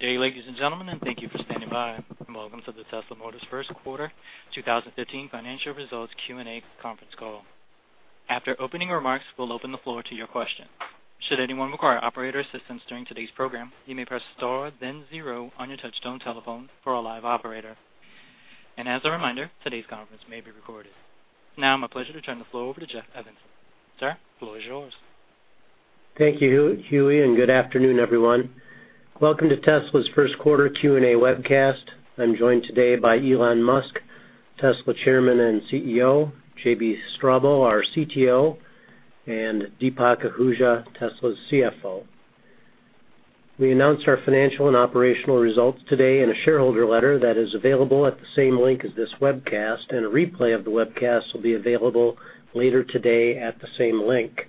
Good day, ladies and gentlemen, and thank you for standing by. Welcome to the Tesla Motors first quarter 2015 financial results Q&A conference call. After opening remarks, we'll open the floor to your questions. Should anyone require operator assistance during today's program, you may press star then zero on your touchtone telephone for a live operator. As a reminder, today's conference may be recorded. Now, my pleasure to turn the floor over to Jeff. Sir, the floor is yours. Thank you, Huey, and good afternoon, everyone. Welcome to Tesla's first quarter Q&A webcast. I'm joined today by Elon Musk, Tesla Chairman and CEO, JB Straubel, our CTO, and Deepak Ahuja, Tesla's CFO. We announced our financial and operational results today in a shareholder letter that is available at the same link as this webcast, and a replay of the webcast will be available later today at the same link.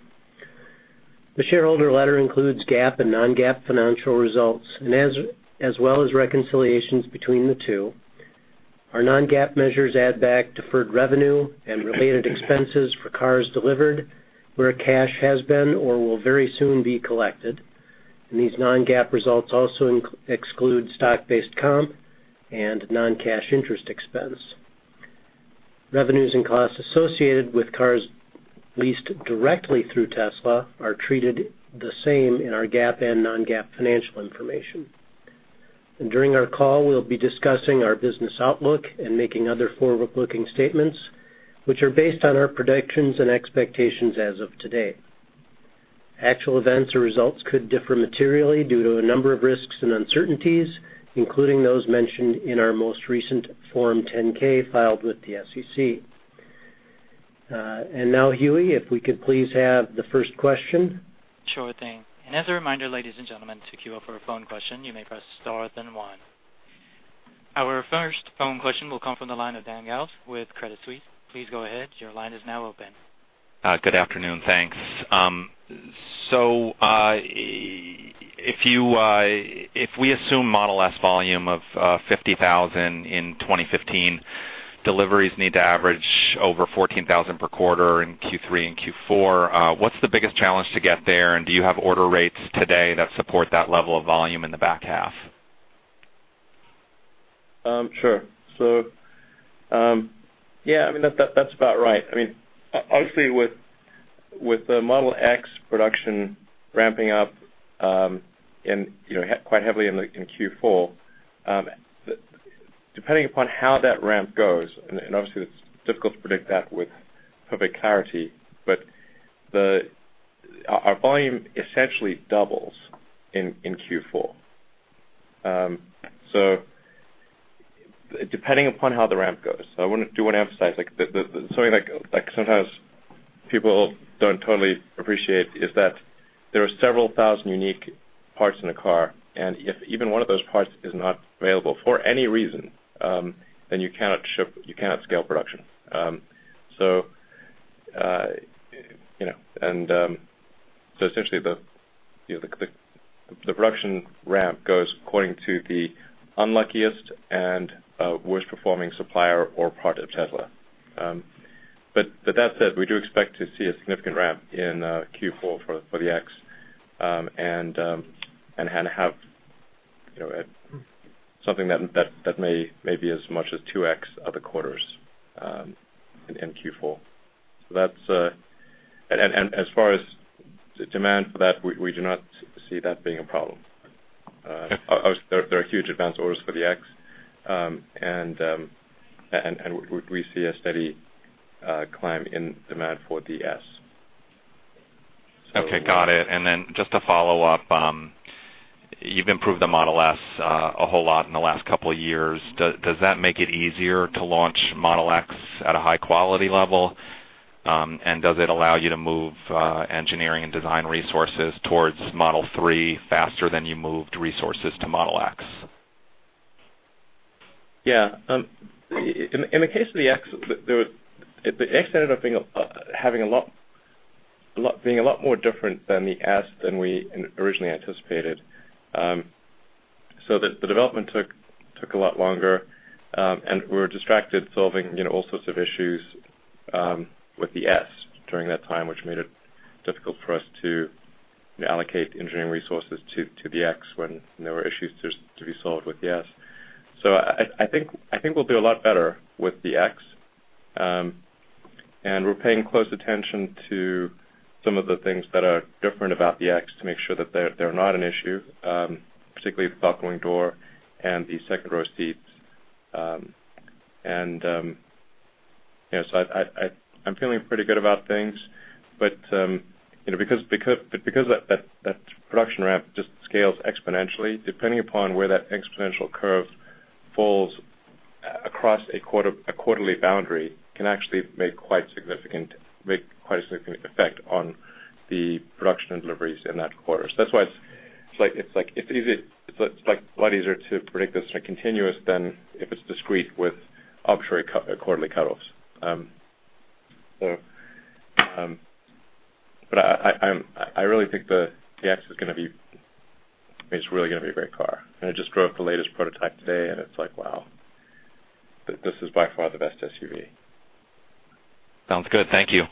The shareholder letter includes GAAP and non-GAAP financial results as well as reconciliations between the two. Our non-GAAP measures add back deferred revenue and related expenses for cars delivered where cash has been or will very soon be collected. These non-GAAP results also exclude stock-based comp and non-cash interest expense. Revenues and costs associated with cars leased directly through Tesla are treated the same in our GAAP and non-GAAP financial information. During our call, we'll be discussing our business outlook and making other forward-looking statements which are based on our predictions and expectations as of today. Actual events or results could differ materially due to a number of risks and uncertainties, including those mentioned in our most recent Form 10-K filed with the SEC. Now, Huey, if we could please have the first question. Sure thing. As a reminder, ladies and gentlemen, to queue up for a phone question, you may press star then one. Our first phone question will come from the line of Dan Galves with Credit Suisse. Please go ahead. Your line is now open. Good afternoon. Thanks. If you, if we assume Model S volume of 50,000 in 2015, deliveries need to average over 14,000 per quarter in Q3 and Q4, what's the biggest challenge to get there? Do you have order rates today that support that level of volume in the back half? Sure. Yeah, I mean, that's about right. I mean, obviously, with the Model X production ramping up, in, you know, quite heavily in Q4, depending upon how that ramp goes, and obviously, it's difficult to predict that with perfect clarity, but our volume essentially doubles in Q4. Depending upon how the ramp goes. I do wanna emphasize, like, the something like sometimes people don't totally appreciate is that there are several thousand unique parts in a car, and if even one of those parts is not available for any reason, then you cannot ship, you cannot scale production. Essentially the, you know, the production ramp goes according to the unluckiest and worst-performing supplier or product of Tesla. That said, we do expect to see a significant ramp in Q4 for the X, and have, you know, something that may be as much as 2x of the quarters in Q4. As far as the demand for that, we do not see that being a problem. Obviously, there are huge advance orders for the X, and we see a steady climb in demand for the S. Okay, got it. Just to follow up, you've improved the Model S a whole lot in the last couple of years. Does that make it easier to launch Model X at a high-quality level? Does it allow you to move engineering and design resources towards Model 3 faster than you moved resources to Model X? In the case of the X, the X ended up having a lot, being a lot more different than the S than we originally anticipated. The development took a lot longer, and we were distracted solving, you know, all sorts of issues with the S during that time, which made it difficult for us to allocate engineering resources to the X when there were issues to be solved with the S. I think we'll do a lot better with the X. We're paying close attention to some of the things that are different about the X to make sure that they're not an issue, particularly the buckling door and the second-row seats. You know, I'm feeling pretty good about things. You know, because, but because that production ramp just scales exponentially, depending upon where that exponential curve falls across a quarter, a quarterly boundary can actually make quite a significant effect on the production and deliveries in that quarter. That's why it's like, it's easy, it's like a lot easier to predict this, like, continuous than if it's discrete with arbitrary quarterly cutoffs. I really think the Model X is really gonna be a great car. I just drove the latest prototype today, and it's like, wow, this is by far the best SUV. Sounds good. Thank you.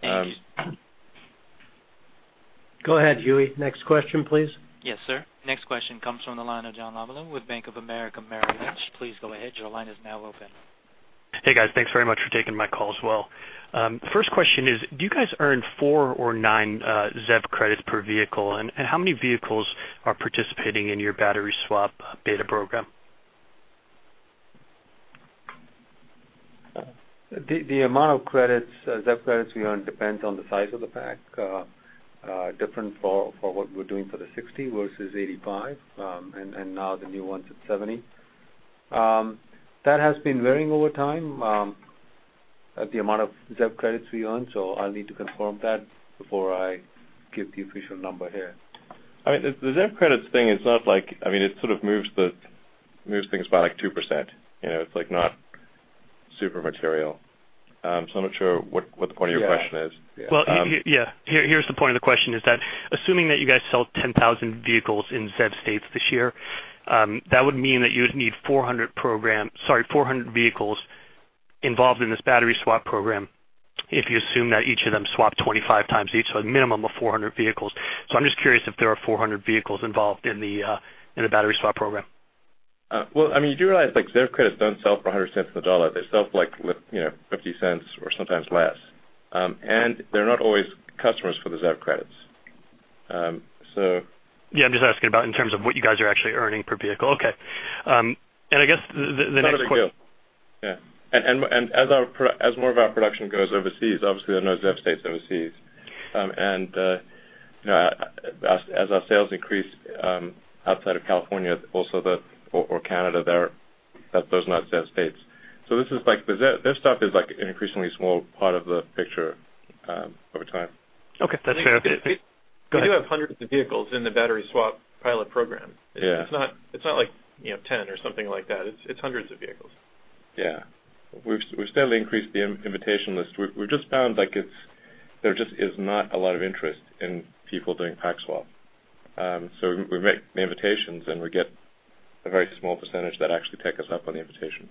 Thank you. Go ahead, Huey. Next question, please. Yes, sir. Next question comes from the line of John Lovallo with Bank of America Merrill Lynch. Please go ahead. Hey, guys. Thanks very much for taking my call as well. First question is, do you guys earn four or nine ZEV credits per vehicle? How many vehicles are participating in your battery swap beta program? The amount of credits, ZEV credits we earn depends on the size of the pack, different for what we're doing for the 60 versus 85, and now the new ones at 70. That has been varying over time, at the amount of ZEV credits we earn, so I'll need to confirm that before I give the official number here. I mean, the ZEV credits thing is not like I mean, it sort of moves things by, like, 2%. You know, it's, like, not super material. I'm not sure what the point of your question is. Well, yeah. Here's the point of the question is that assuming that you guys sell 10,000 vehicles in ZEV states this year, that would mean that you would need 400 program, sorry, 400 vehicles involved in this battery swap program if you assume that each of them swap 25 times each, so a minimum of 400 vehicles. I'm just curious if there are 400 vehicles involved in the battery swap program. Well, I mean, you do realize, like, ZEV credits don't sell for 100% of the dollar. They sell for, like, you know, $0.50 or sometimes less and here are not always customers for the ZEV credits. Yeah, I'm just asking about in terms of what you guys are actually earning per vehicle. Okay. Not a big deal. Yeah. As more of our production goes overseas, obviously there are no ZEV states overseas. You know, as our sales increase outside of California also or Canada there, those are not ZEV states. This is like the ZEV, this stuff is, like, an increasingly small part of the picture over time. Okay. That's fair. We do have hundreds of vehicles in the battery swap pilot program. Yeah. It's not like, you know, 10 or something like that. It's hundreds of vehicles. Yeah. We've steadily increased the invitation list. We just found, like, there just is not a lot of interest in people doing pack swap. We make the invitations, and we get a very small percentage that actually take us up on the invitation.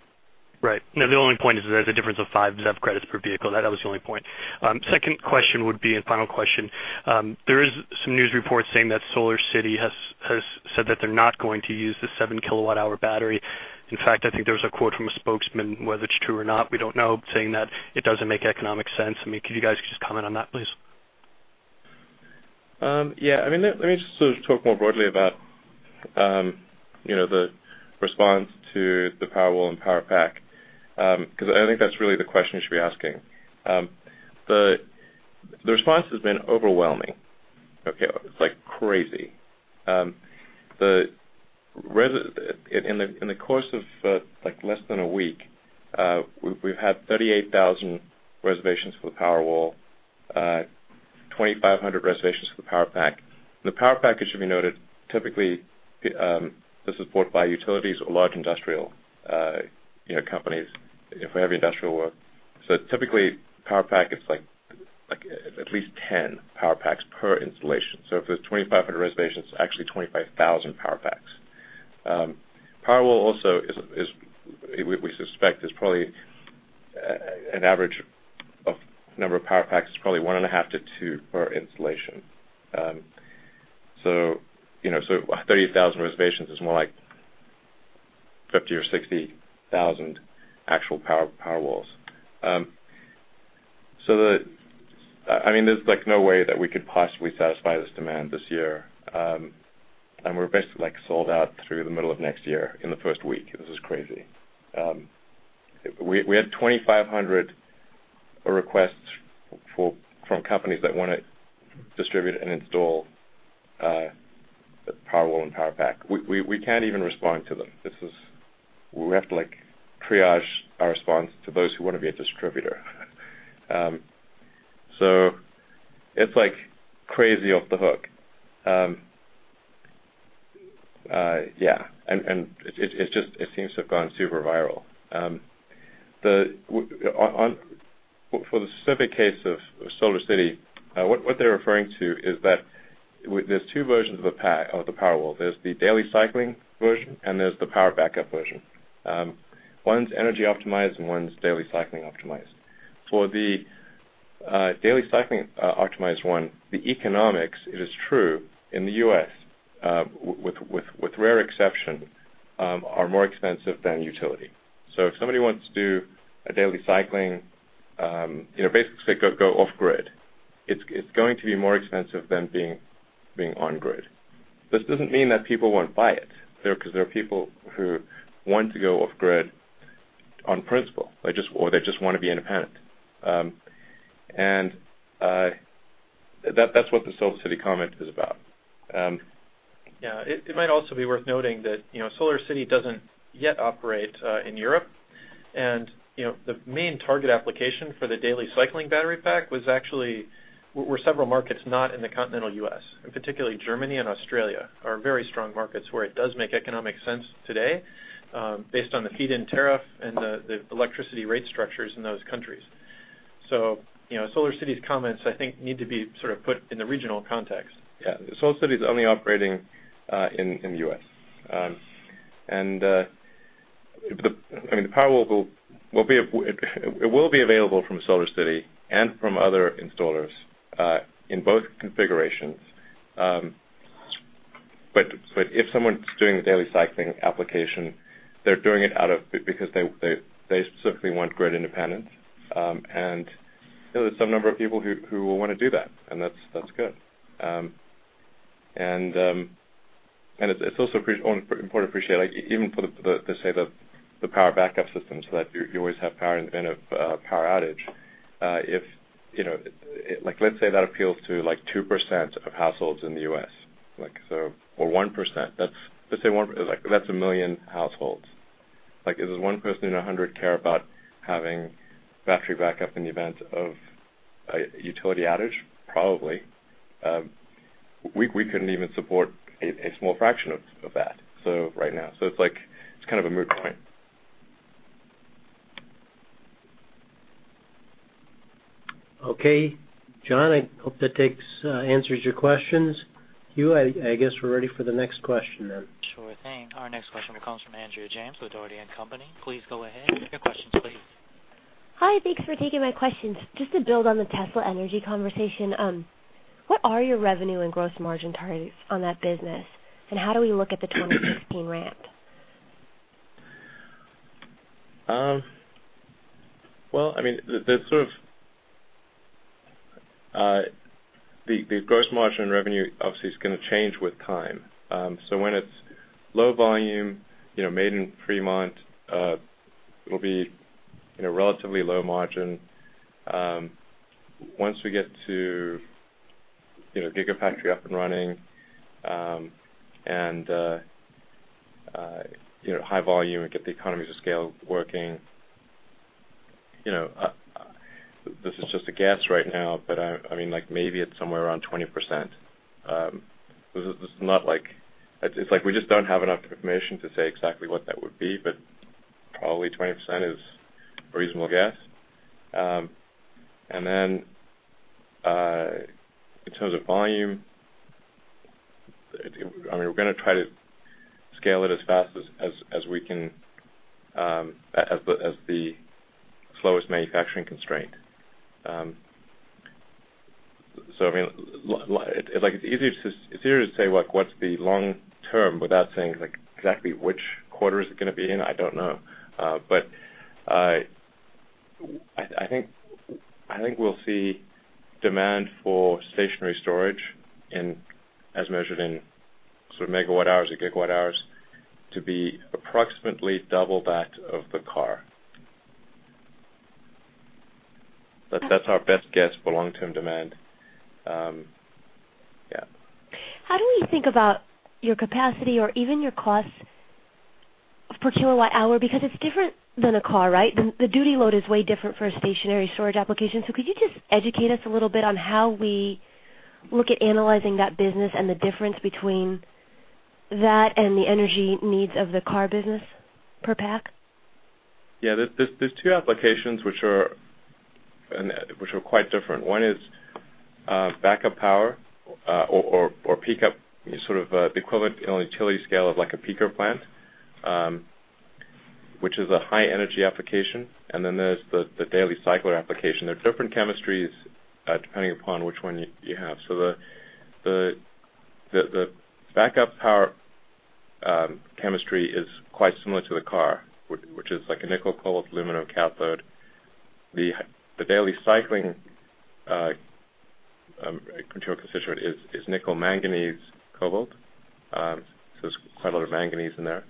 Right. No, the only point is there's a difference of five ZEV credits per vehicle. That was the only point. Second question would be, and final question, there is some news reports saying that SolarCity has said that they're not going to use the 7 kWh battery. In fact, I think there was a quote from a spokesman, whether it's true or not, we don't know, saying that it doesn't make economic sense. I mean, could you guys just comment on that, please? Yeah. I mean, let me just sort of talk more broadly about, you know, the response to the Powerwall and Powerpack, 'cause I think that's really the question you should be asking. The response has been overwhelming. Okay. It's like crazy. In the course of like less than a week, we've had 38,000 reservations for the Powerwall, 2,500 reservations for the Powerpack. The Powerpack, it should be noted, typically, this is bought by utilities or large industrial, you know, companies if we have industrial work. Typically, Powerpack, it's like at least 10 Powerpacks per installation. If there's 2,500 reservations, it's actually 25,000 Powerpacks. Powerwall also we suspect is probably an average of number of Powerpacks is probably 1.5-2 per installation. You know, so 30,000 reservations is more like 50,000 or 60,000 actual Powerwalls. I mean, there's, like, no way that we could possibly satisfy this demand this year. And we're basically, like, sold out through the middle of next year in the first week. This is crazy. We had 2,500 requests for, from companies that wanna distribute and install the Powerwall and Powerpack. We can't even respond to them. This is. We have to, like, triage our response to those who want to be a distributor. It's, like, crazy off the hook. It just seems to have gone super viral. For the specific case of SolarCity, what they're referring to is that there's two versions of the Powerwall. There's the daily cycling version, and there's the power backup version. One's energy optimized, and one's daily cycling optimized. For the daily cycling optimized one, the economics, it is true in the U.S., with rare exception, are more expensive than utility. If somebody wants to do a daily cycling, you know, basically go off grid, it's going to be more expensive than being on grid. This doesn't mean that people won't buy it. 'Cause there are people who want to go off grid on principle, they just wanna be independent and that's what the SolarCity comment is about. Yeah. It might also be worth noting that, you know, SolarCity doesn't yet operate in Europe and, you know, the main target application for the daily cycling battery pack were several markets not in the continental U.S. Particularly Germany and Australia are very strong markets where it does make economic sense today, based on the feed-in tariff and the electricity rate structures in those countries. You know, SolarCity's comments, I think, need to be sort of put in the regional context. Yeah. SolarCity's only operating in the U.S. I mean, It will be available from SolarCity and from other installers in both configurations. If someone's doing the daily cycling application, they're doing it out of because they specifically want grid independence. You know, there's some number of people who will wanna do that, and that's good. It's also pretty important to appreciate, like even for the say the power backup systems so that you always have power in a power outage. If, you know, like let's say that appeals to like 2% of households in the U.S., or 1%. That's, let's say 1, like that's 1 million households. Like does one person in a hundred care about having battery backup in the event of a utility outage? Probably. We couldn't even support a small fraction of that, so right now. It's like, it's kind of a moot point. Okay, John, I hope that takes answers your questions. Huey, I guess we're ready for the next question then. Sure thing. Our next question comes from Andrea James with Dougherty & Company. Please go ahead. Your question, please. Hi, thanks for taking my questions. Just to build on the Tesla Energy conversation, what are your revenue and gross margin targets on that business? How do we look at the 2016 ramp? Well, I mean, the sort of, the gross margin revenue obviously is gonna change with time. When it's low volume, you know, made in Fremont, it'll be, you know, relatively low margin. Once we get to, you know, Gigafactory up and running, and, you know, high volume and get the economies of scale working, you know, this is just a guess right now, but I mean, like, maybe it's somewhere around 20%. This is not like It's like we just don't have enough information to say exactly what that would be, but probably 20% is a reasonable guess. Then, in terms of volume, I mean, we're gonna try to scale it as fast as we can, as the slowest manufacturing constraint. I mean, like it's easier to say like what's the long term without saying like exactly which quarter is it gonna be in. I don't know. I think we'll see demand for stationary storage in, as measured in sort of megawatt-hours or gigawatt-hours, to be approximately double that of the car. That's our best guess for long-term demand. Yeah. How do we think about your capacity or even your costs of per kilowatt hour because it's different than a car, right? The duty load is way different for a stationary storage application. Could you just educate us a little bit on how we look at analyzing that business and the difference between that and the energy needs of the car business per pack? Yeah. There's two applications which are quite different. One is backup power or peak up, sort of, the equivalent on a utility scale of like a peaker plant, which is a high energy application. There's the daily cycler application. They're different chemistries depending upon which one you have. The backup power chemistry is quite similar to the car, which is like a nickel-cobalt-aluminum cathode. The daily cycling material constituent is nickel manganese cobalt. There's quite a lot of manganese in there.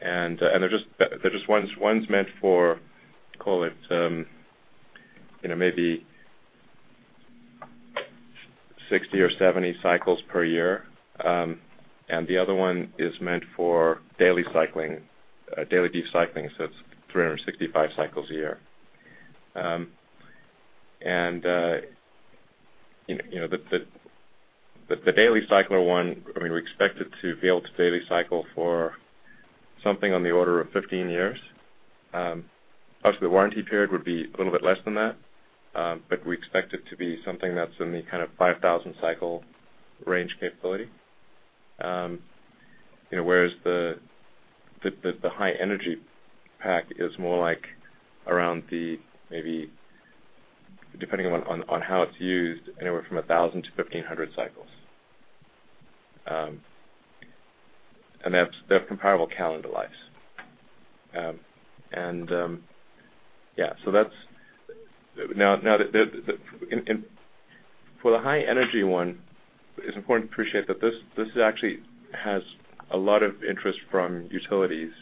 They're just one's meant for, call it, you know, maybe 60 or 70 cycles per year, Aand the other one is meant for daily cycling, daily deep cycling, so that's 365 cycles a year. And, you know, the daily cycler one, I mean, we expect it to be able to daily cycle for something on the order of 15 years. Obviously the warranty period would be a little bit less than that, but we expect it to be something that's in the kind of 5,000 cycle range capability. You know, whereas the high energy pack is more like around the, maybe depending on how it's used, anywhere from 1,000-1,500 cycles and they have comparable calendar lives. And, yeah. And for the high energy one, it's important to appreciate that this actually has a lot of interest from utilities,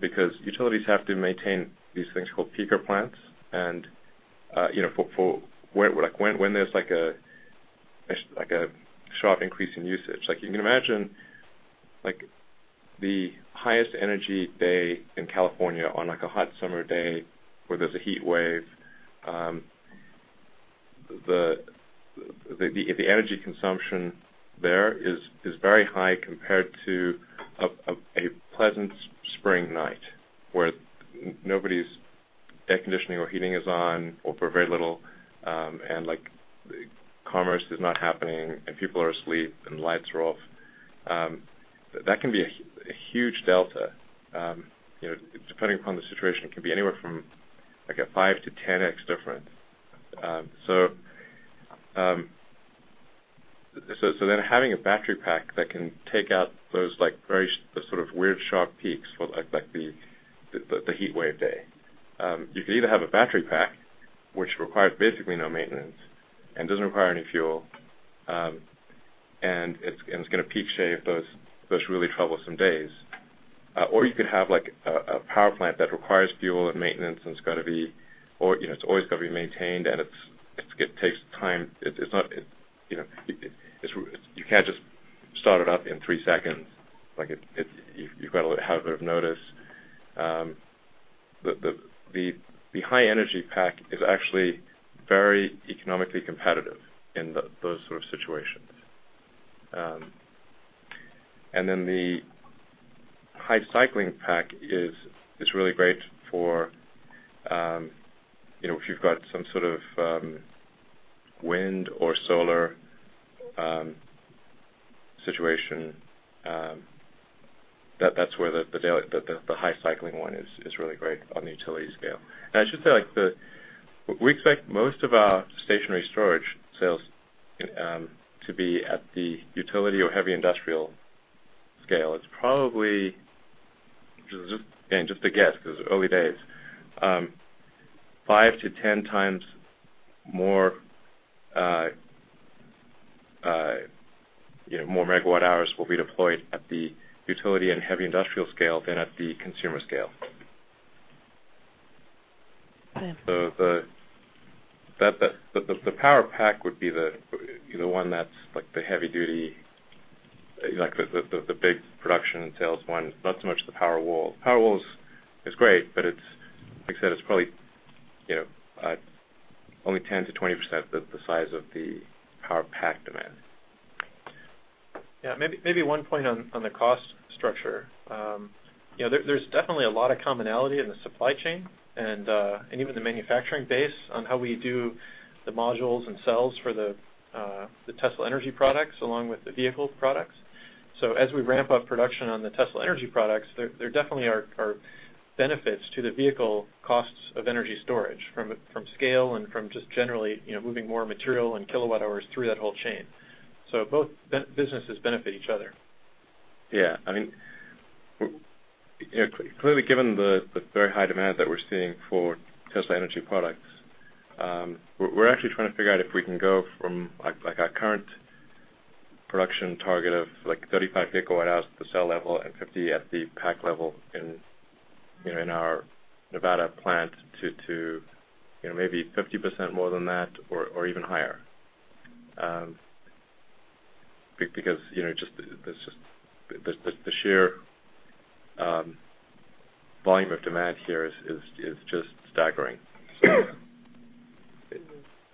because utilities have to maintain these things called peaker plants. You know, for when, like when there's like a sharp increase in usage. Like, you can imagine, like the highest energy day in California on like a hot summer day where there's a heat wave, the energy consumption there is very high compared to a pleasant spring night where nobody's air conditioning or heating is on or for very little, and like-commerce is not happening, and people are asleep, and lights are off. That can be a huge delta. You know, depending upon the situation, it can be anywhere from like a 5x-10x difference. Having a battery pack that can take out those, like, the sort of weird sharp peaks for like the heatwave day. You could either have a battery pack, which requires basically no maintenance and doesn't require any fuel, and it's gonna peak shave those really troublesome days, or you could have like a power plant that requires fuel and maintenance, and it's gotta be, or, you know, it's always gotta be maintained, and it's, it takes time. It's not, it, you know. It's can't just start it up in three seconds. Like, it you've gotta have a bit of notice. The high energy pack is actually very economically competitive in those sort of situations, and then the high cycling pack is really great for, you know, if you've got some sort of wind or solar situation, that's where the high cycling one is really great on the utility scale. I should say, like, we expect most of our stationary storage sales to be at the utility or heavy industrial scale. It's probably, just, again, just a guess 'cause early days, 5x-10x more, you know, more megawatt hours will be deployed at the utility and heavy industrial scale than at the consumer scale. Got it. The Powerpack would be the, you know, one that's like the heavy duty, like the big production and sales one. Not so much the Powerwall. Powerwall is great, but it's, like I said, it's probably, you know, only 10%-20% the size of the Powerpack demand. Yeah. Maybe one point on the cost structure. You know, there's definitely a lot of commonality in the supply chain and even the manufacturing base on how we do the modules and cells for the Tesla Energy products along with the vehicle products. As we ramp up production on the Tesla Energy products, there definitely are benefits to the vehicle costs of energy storage from scale and from just generally, you know, moving more material and kilowatt-hours through that whole chain. Both businesses benefit each other. Yeah. I mean, you know, clearly, given the very high demand that we're seeing for Tesla Energy products, we're actually trying to figure out if we can go from, like, our current production target of, like 35 GWh at the cell level and 50 GWh at the pack level in, you know, in our Nevada plant to, you know, maybe 50% more than that or even higher, because, you know, just the, it's just the sheer volume of demand here is just staggering. You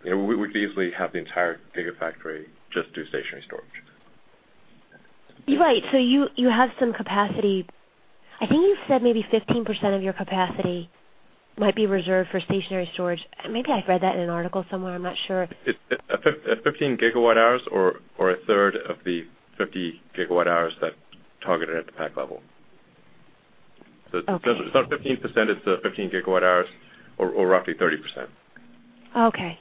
know, we could easily have the entire Gigafactory just do stationary storage. Right. You have some capacity. I think you said maybe 15% of your capacity might be reserved for stationary storage. Maybe I've read that in an article somewhere, I'm not sure. It's 15 GWh or 1/3 of the 50 GWh that targeted at the pack level. Okay. it's not 15%, it's 15 GWh or roughly 30%. Okay.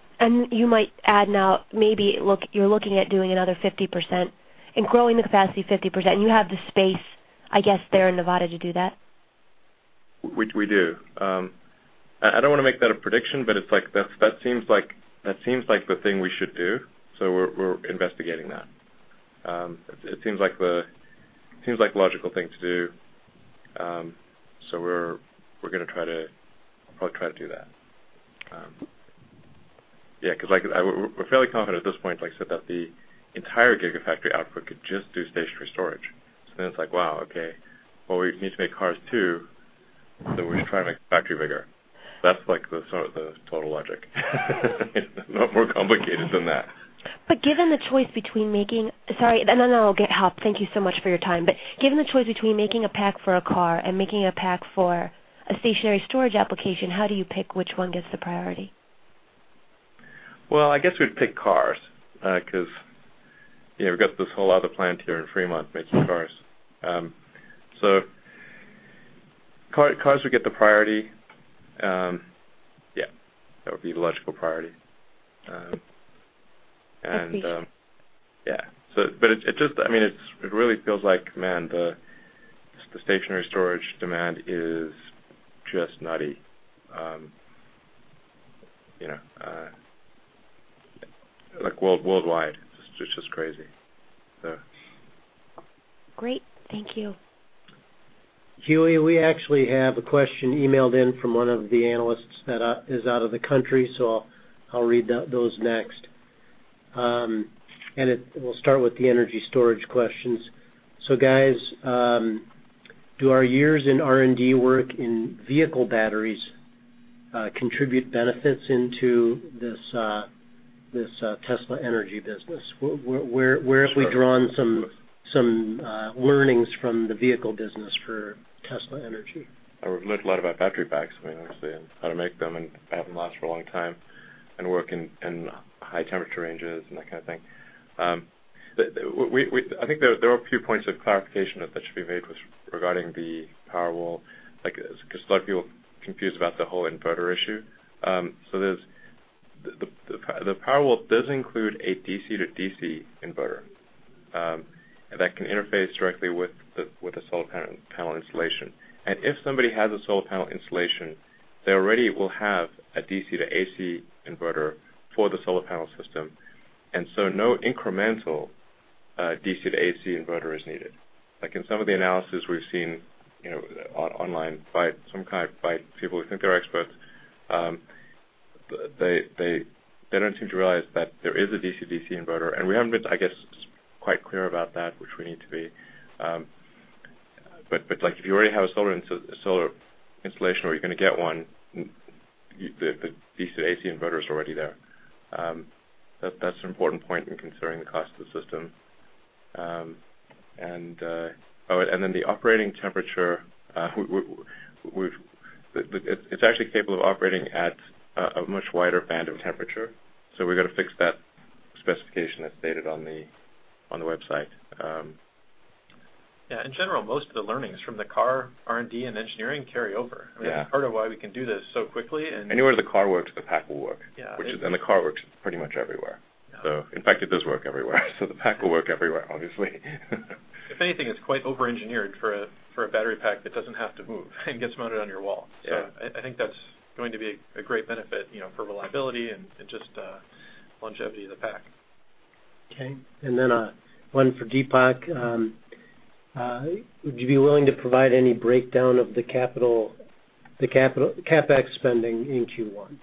You might add now maybe you're looking at doing another 50% and growing the capacity 50%, and you have the space, I guess, there in Nevada to do that. We do. I don't wanna make that a prediction, but it's like that seems like, that seems like the thing we should do, so we're investigating that. It seems like the logical thing to do. So we're gonna probably try to do that. Yeah, 'cause we're fairly confident at this point, like I said, that the entire Gigafactory output could just do stationary storage. It's like, wow, okay. We need to make cars too, we're just trying to make the factory bigger. That's like the sort of the total logic. It's not more complicated than that. Given the choice between making Sorry, and then I'll get off. Thank you so much for your time. Given the choice between making a pack for a car and making a pack for a stationary storage application, how do you pick which one gets the priority? Well, I guess we'd pick cars, 'cause, you know, we've got this whole other plant here in Fremont making cars. Cars would get the priority. Yeah, that would be the logical priority. Okay. Yeah. But it just, I mean, it's, it really feels like, man, the stationary storage demand is just nutty. You know, like worldwide, it's just crazy. Great. Thank you. Julia, we actually have a question emailed in from one of the analysts that is out of the country, so I'll read those next. We'll start with the energy storage questions. Guys, do our years in R&D work in vehicle batteries contribute benefits into this Tesla Energy business? Sure. Have we drawn some learnings from the vehicle business for Tesla Energy? We've learned a lot about battery packs, I mean, obviously, and how to make them and have them last for a long time and work in high temperature ranges and that kind of thing. I think there are a few points of clarification that should be made regarding the Powerwall, like, 'cause a lot of people confused about the whole inverter issue. There's the Powerwall does include a DC-to-DC inverter that can interface directly with the solar panel installation. If somebody has a solar panel installation, they already will have a DC-to-AC inverter for the solar panel system and so no incremental DC-to-AC inverter is needed. Like, in some of the analysis we've seen, you know, online by people who think they're experts, they don't seem to realize that there is a DC-to-DC inverter. We haven't been, I guess, quite clear about that, which we need to be, but, like, if you already have a solar installation or you're gonna get one, the DC-to-AC inverter is already there, that's an important point in considering the cost of the system. The operating temperature, it's actually capable of operating at a much wider band of temperature, so we've got to fix that specification that's stated on the website. In general, most of the learnings from the car R&D and engineering carry over. Yeah. I mean, that's part of why we can do this so quickly. Anywhere the car works, the pack will work. Yeah. The car works pretty much everywhere. Yeah. In fact, it does work everywhere. The pack will work everywhere, obviously. If anything, it's quite overengineered for a battery pack that doesn't have to move and gets mounted on your wall. Yeah. I think that's going to be a great benefit, you know, for reliability and just longevity of the pack. Okay. One for Deepak. Would you be willing to provide any breakdown of the capital, the CapEx spending in Q1?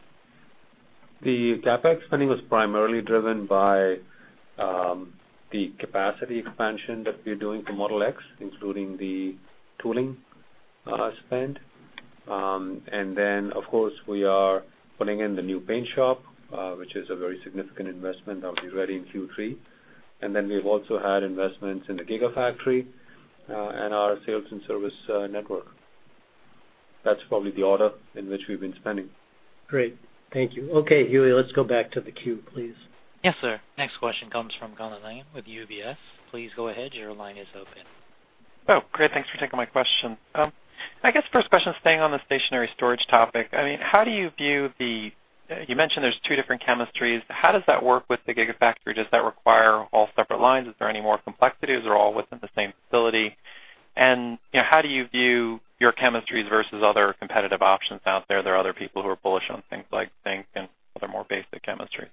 The CapEx spending was primarily driven by the capacity expansion that we're doing for Model X, including the tooling spend. Of course, we are putting in the new paint shop, which is a very significant investment that will be ready in Q3 and then we've also had investments in the Gigafactory and our sales and service network. That's probably the order in which we've been spending. Great. Thank you. Okay, Huey, let's go back to the queue, please. Yes, sir. Next question comes from Colin Langan with UBS. Please go ahead. Your line is open. Oh, great. Thanks for taking my question. I guess first question, staying on the stationary storage topic, I mean, how do you view the you mentioned there's two different chemistries. How does that work with the Gigafactory? Does that require all separate lines? Is there any more complexity? Is it all within the same facility? You know, how do you view your chemistries versus other competitive options out there? There are other people who are bullish on things like zinc and other more basic chemistries.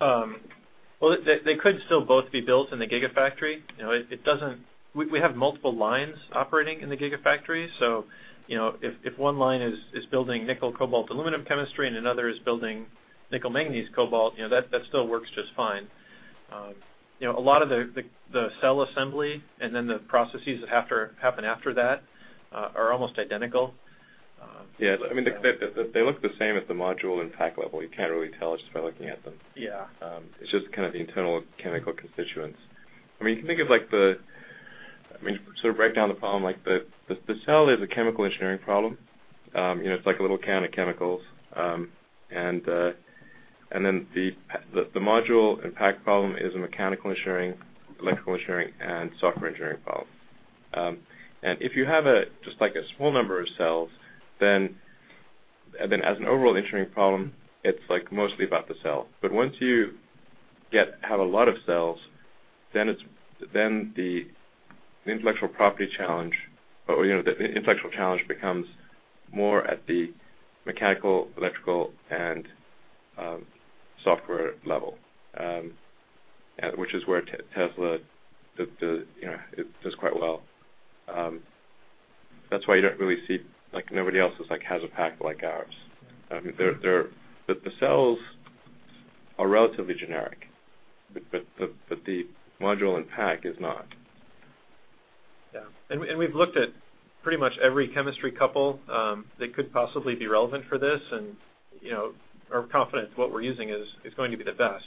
Well, they could still both be built in the Gigafactory. You know, we have multiple lines operating in the Gigafactory. You know, if one line is building nickel-cobalt-aluminum chemistry and another is building nickel manganese cobalt, you know, that still works just fine. You know, a lot of the cell assembly and then the processes that have to happen after that are almost identical. Yeah. I mean, the, they look the same at the module and pack level. You can't really tell just by looking at them. Yeah. It's just kind of the internal chemical constituents. I mean, you can think of, like, I mean, sort of break down the problem, like, the cell is a chemical engineering problem. You know, it's like a little can of chemicals. Then the module and pack problem is a mechanical engineering, electrical engineering, and software engineering problem. If you have a, just like a small number of cells, then as an overall engineering problem, it's, like, mostly about the cell. Once you have a lot of cells, then it's the intellectual property challenge or, you know, the intellectual challenge becomes more at the mechanical, electrical, and software level, which is where Tesla, the, you know, it does quite well. That's why you don't really see, like, nobody else is, like, has a pack like ours. I mean, they're the cells are relatively generic, but the module and pack is not. Yeah. We've looked at pretty much every chemistry couple that could possibly be relevant for this and, you know, are confident what we're using is going to be the best.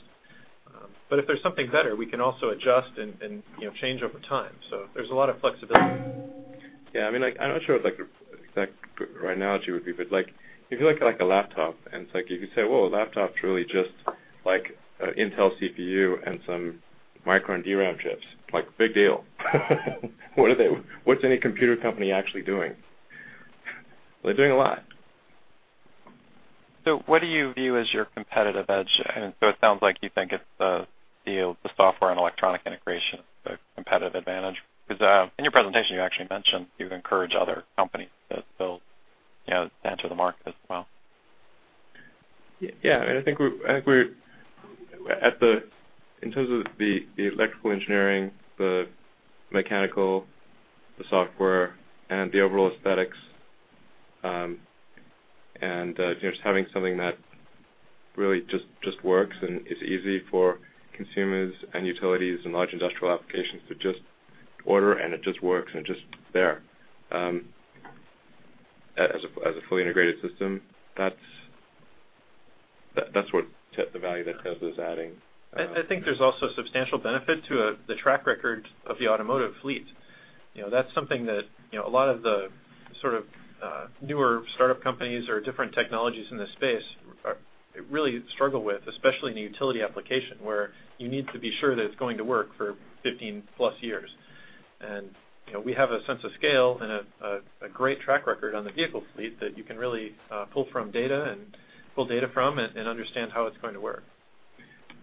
If there's something better, we can also adjust and, you know, change over time. There's a lot of flexibility. I mean, like, I'm not sure what, like, the exact analogy would be, but, like, if you look at, like, a laptop and it's like you could say, "Whoa, a laptop's really just like an Intel CPU and some Micron DRAM chips. Like, big deal." What's any computer company actually doing? They're doing a lot. What do you view as your competitive edge? It sounds like you think it's the dual motor, the software and electronic integration, the competitive advantage because in your presentation, you actually mentioned you would encourage other companies to build, you know, to enter the market as well. Yeah, I think we're at the in terms of the electrical engineering, the mechanical, the software, and the overall aesthetics, and just having something that really just works and is easy for consumers and utilities and large industrial applications to just order and it just works and it's just there, as a fully integrated system, that's what the value that Tesla is adding. I think there's also substantial benefit to the track record of the automotive fleet. You know, that's something that, you know, a lot of the sort of newer startup companies or different technologies in this space really struggle with, especially in the utility application, where you need to be sure that it's going to work for 15+ years. You know, we have a sense of scale and a great track record on the vehicle fleet that you can really pull from data and pull data from and understand how it's going to work.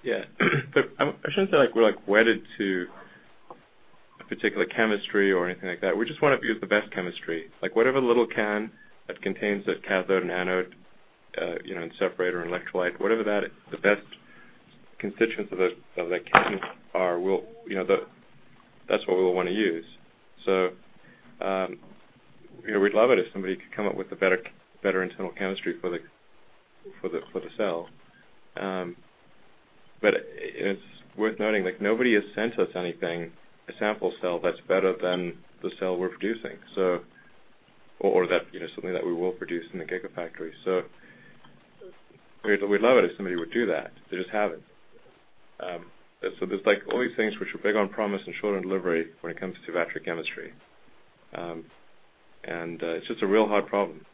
Yeah. I shouldn't say, like, we're, like, wedded to a particular chemistry or anything like that. We just wanna use the best chemistry. Whatever little can that contains that cathode and anode, you know, and separator and electrolyte, whatever the best constituents of that can are, we'll, you know, that's what we'll wanna use. You know, we'd love it if somebody could come up with a better internal chemistry for the cell. It's worth noting, like, nobody has sent us anything, a sample cell that's better than the cell we're producing. That, you know, something that we will produce in the Gigafactory. We'd love it if somebody would do that they just haven't. There's, like, all these things which are big on promise and short on delivery when it comes to battery chemistry and it's just a real hard problem.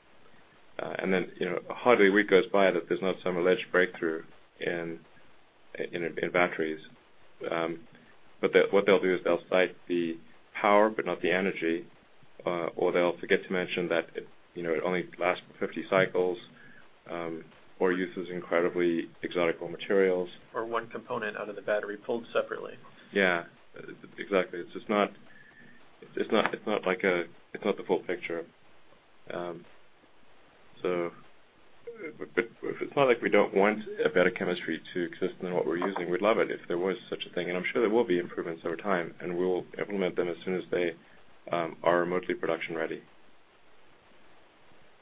You know, hardly a week goes by that there's not some alleged breakthrough in batteries. What they'll do is they'll cite the power, but not the energy, or they'll forget to mention that it, you know, it only lasts for 50 cycles, or uses incredibly exotic materials. One component out of the battery pulled separately. Yeah. Exactly. It's just not the full picture. It's not like we don't want a better chemistry to exist than what we're using. We'd love it if there was such a thing, and I'm sure there will be improvements over time, and we'll implement them as soon as they are remotely production-ready.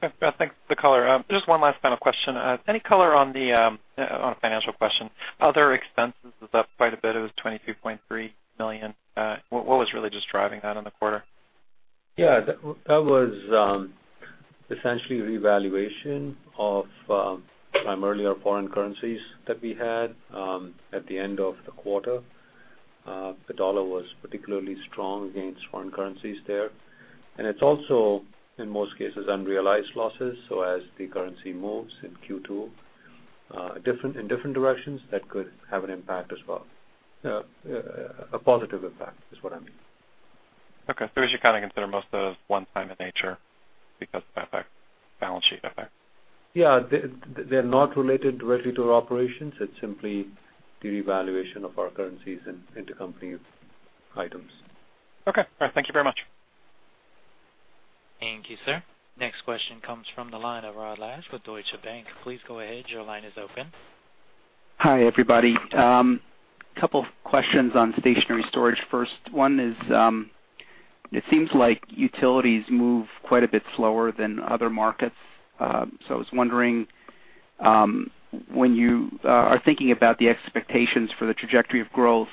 Okay. Thanks for the color. Just one last final question. Any color on the, on a financial question. Other expenses is up quite a bit. It was $22.3 million. What was really just driving that in the quarter? Yeah. That was essentially revaluation of some earlier foreign currencies that we had at the end of the quarter. The dollar was particularly strong against foreign currencies there. It's also, in most cases, unrealized losses. As the currency moves in Q2, in different directions, that could have an impact as well. A positive impact is what I mean. Okay. We should kind of consider most of one time in nature because of that, balance sheet effect. Yeah. They're not related directly to our operations. It's simply the revaluation of our currencies and intercompany items. Okay. All right. Thank you very much. Thank you, sir. Next question comes from the line of Rod Lache with Deutsche Bank. Please go ahead. Your line is open. Hi, everybody. Couple questions on stationary storage. First one is, it seems like utilities move quite a bit slower than other markets. I was wondering, when you are thinking about the expectations for the trajectory of growth,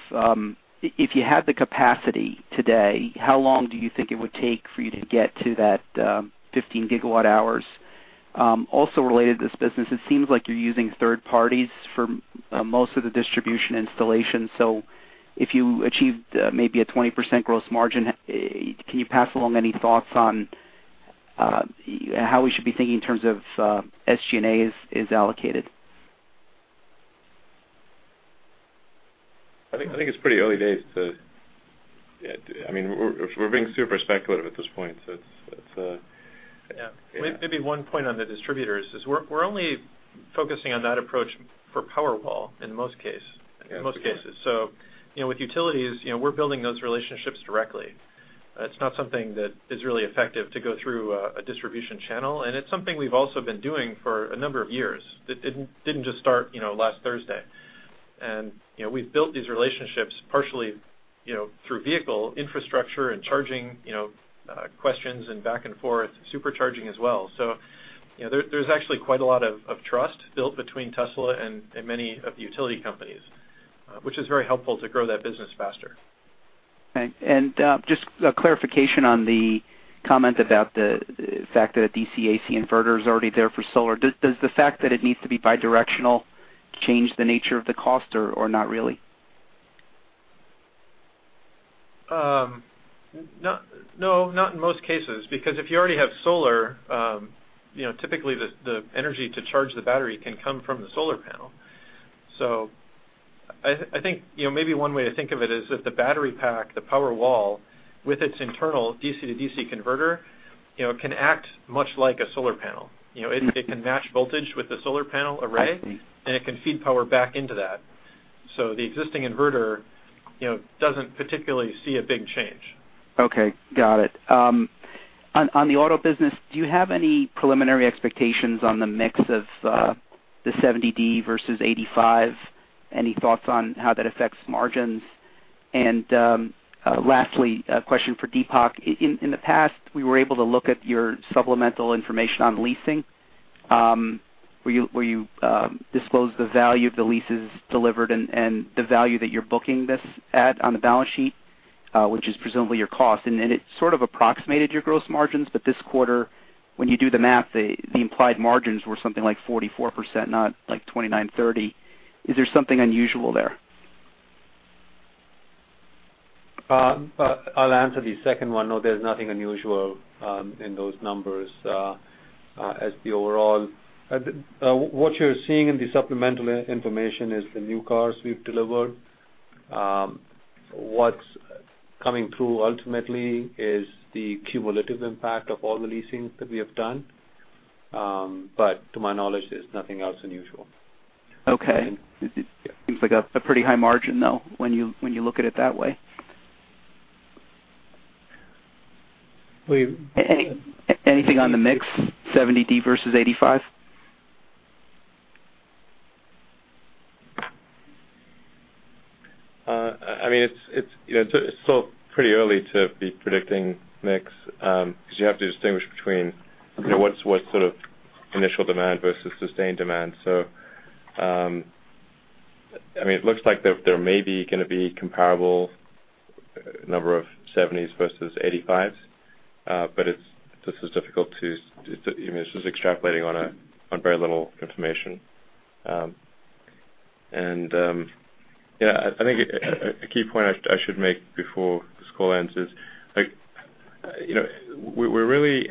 if you had the capacity today, how long do you think it would take for you to get to that 15 GWh? Also related to this business, it seems like you're using third parties for most of the distribution installation. If you achieved, maybe a 20% gross margin, can you pass along any thoughts on how we should be thinking in terms of SG&A is allocated? I think it's pretty early days to I mean, we're being super speculative at this point, so it's- Yeah. Yeah. Maybe one point on the distributors is we're only focusing on that approach for Powerwall in most cases. You know, with utilities, you know, we're building those relationships directly. It's not something that is really effective to go through a distribution channel, and it's something we've also been doing for a number of years. It didn't just start, you know, last Thursday. You know, we've built these relationships partially, you know, through vehicle infrastructure and charging, you know, questions and back and forth, supercharging as well. You know, there's actually quite a lot of trust built between Tesla and many of the utility companies, which is very helpful to grow that business faster. Okay. Just a clarification on the comment about the fact that a DC-to-AC inverter is already there for solar. Does the fact that it needs to be bidirectional change the nature of the cost or not really? No, not in most cases, because if you already have solar, you know, typically the energy to charge the battery can come from the solar panel. I think, you know, maybe one way to think of it is if the battery pack, the Powerwall, with its internal DC-to-DC converter, you know, can act much like a solar panel. You know, it can match voltage with the solar panel array- I see. ...and it can feed power back into that. The existing inverter, you know, doesn't particularly see a big change. Okay. Got it. On the auto business, do you have any preliminary expectations on the mix of the 70D versus 85D? Any thoughts on how that affects margins? Lastly, a question for Deepak. In the past, we were able to look at your supplemental information on leasing, where you disclose the value of the leases delivered and the value that you're booking this at on the balance sheet, which is presumably your cost. Then it sort of approximated your gross margins, but this quarter, when you do the math, the implied margins were something like 44%, not like 29%, 30%. Is there something unusual there? I'll answer the second one. No, there's nothing unusual in those numbers, as the overall what you're seeing in the supplemental information is the new cars we've delivered. What's coming through ultimately is the cumulative impact of all the leasings that we have done. To my knowledge, there's nothing else unusual. Okay. Seems like a pretty high margin, though, when you look at it that way. We- Anything on the mix, 70D versus P85D? I mean, it's, you know, it's still pretty early to be predicting mix because you have to distinguish between, you know, what's sort of initial demand versus sustained demand. I mean, it looks like there may be gonna be comparable number of 70Ds versus 85Ds, but this is difficult to, you know, it's just extrapolating on very little information. I think a key point I should make before this call ends is, like, you know, we're really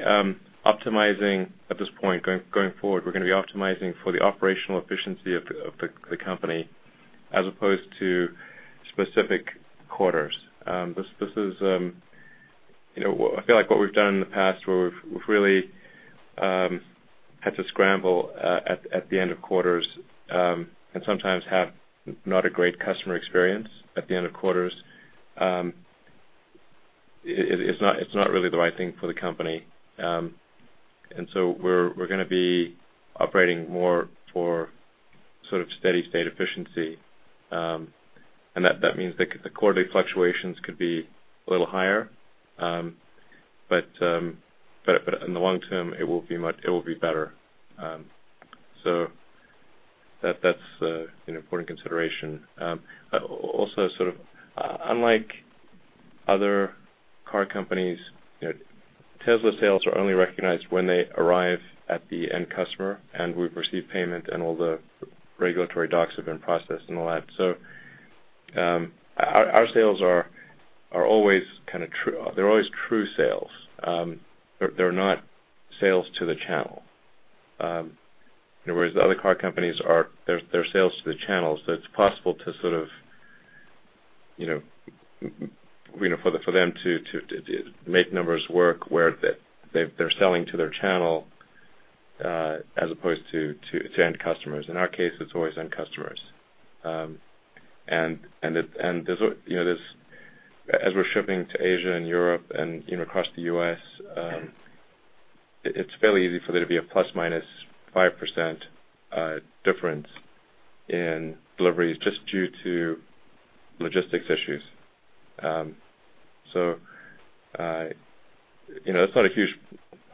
optimizing at this point. Going forward, we're gonna be optimizing for the operational efficiency of the company as opposed to specific quarters. This, this is, you know, I feel like what we've done in the past where we've really had to scramble at the end of quarters, and sometimes have not a great customer experience at the end of quarters. It's not really the right thing for the company and so we're gonna be operating more for sort of steady state efficiency. That means the quarterly fluctuations could be a little higher, but in the long term, it will be much better. That's an important consideration. Also sort of, unlike other car companies, you know, Tesla sales are only recognized when they arrive at the end customer and we've received payment and all the regulatory docs have been processed and all that. They're always true sales. They're, they're not sales to the channel. Whereas the other car companies their sales to the channel, so it's possible to sort of, you know, you know, for them to, to make numbers work where they're selling to their channel, as opposed to, to end customers. In our case, it's always end customers. There's, you know, as we're shipping to Asia and Europe and, you know, across the U.S., it's fairly easy for there to be a ±5% difference in deliveries just due to logistics issues. You know, it's not a huge,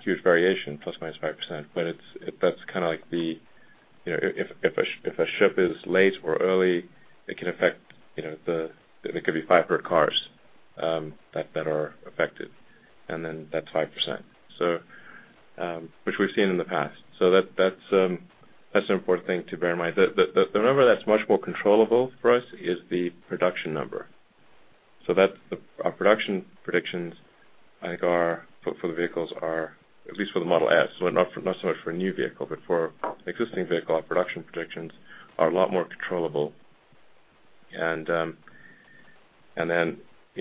huge variation, ±5%, but that's kinda like the, you know, if a ship is late or early, it can affect, you know, it could be 5% per cars that are affected, and then that's 5%, which we've seen in the past. That, that's an important thing to bear in mind. The number that's much more controllable for us is the production number. Our production predictions I think are for the vehicles, at least for the Model S, well, not so much for a new vehicle, but for existing vehicle, our production predictions are a lot more controllable. You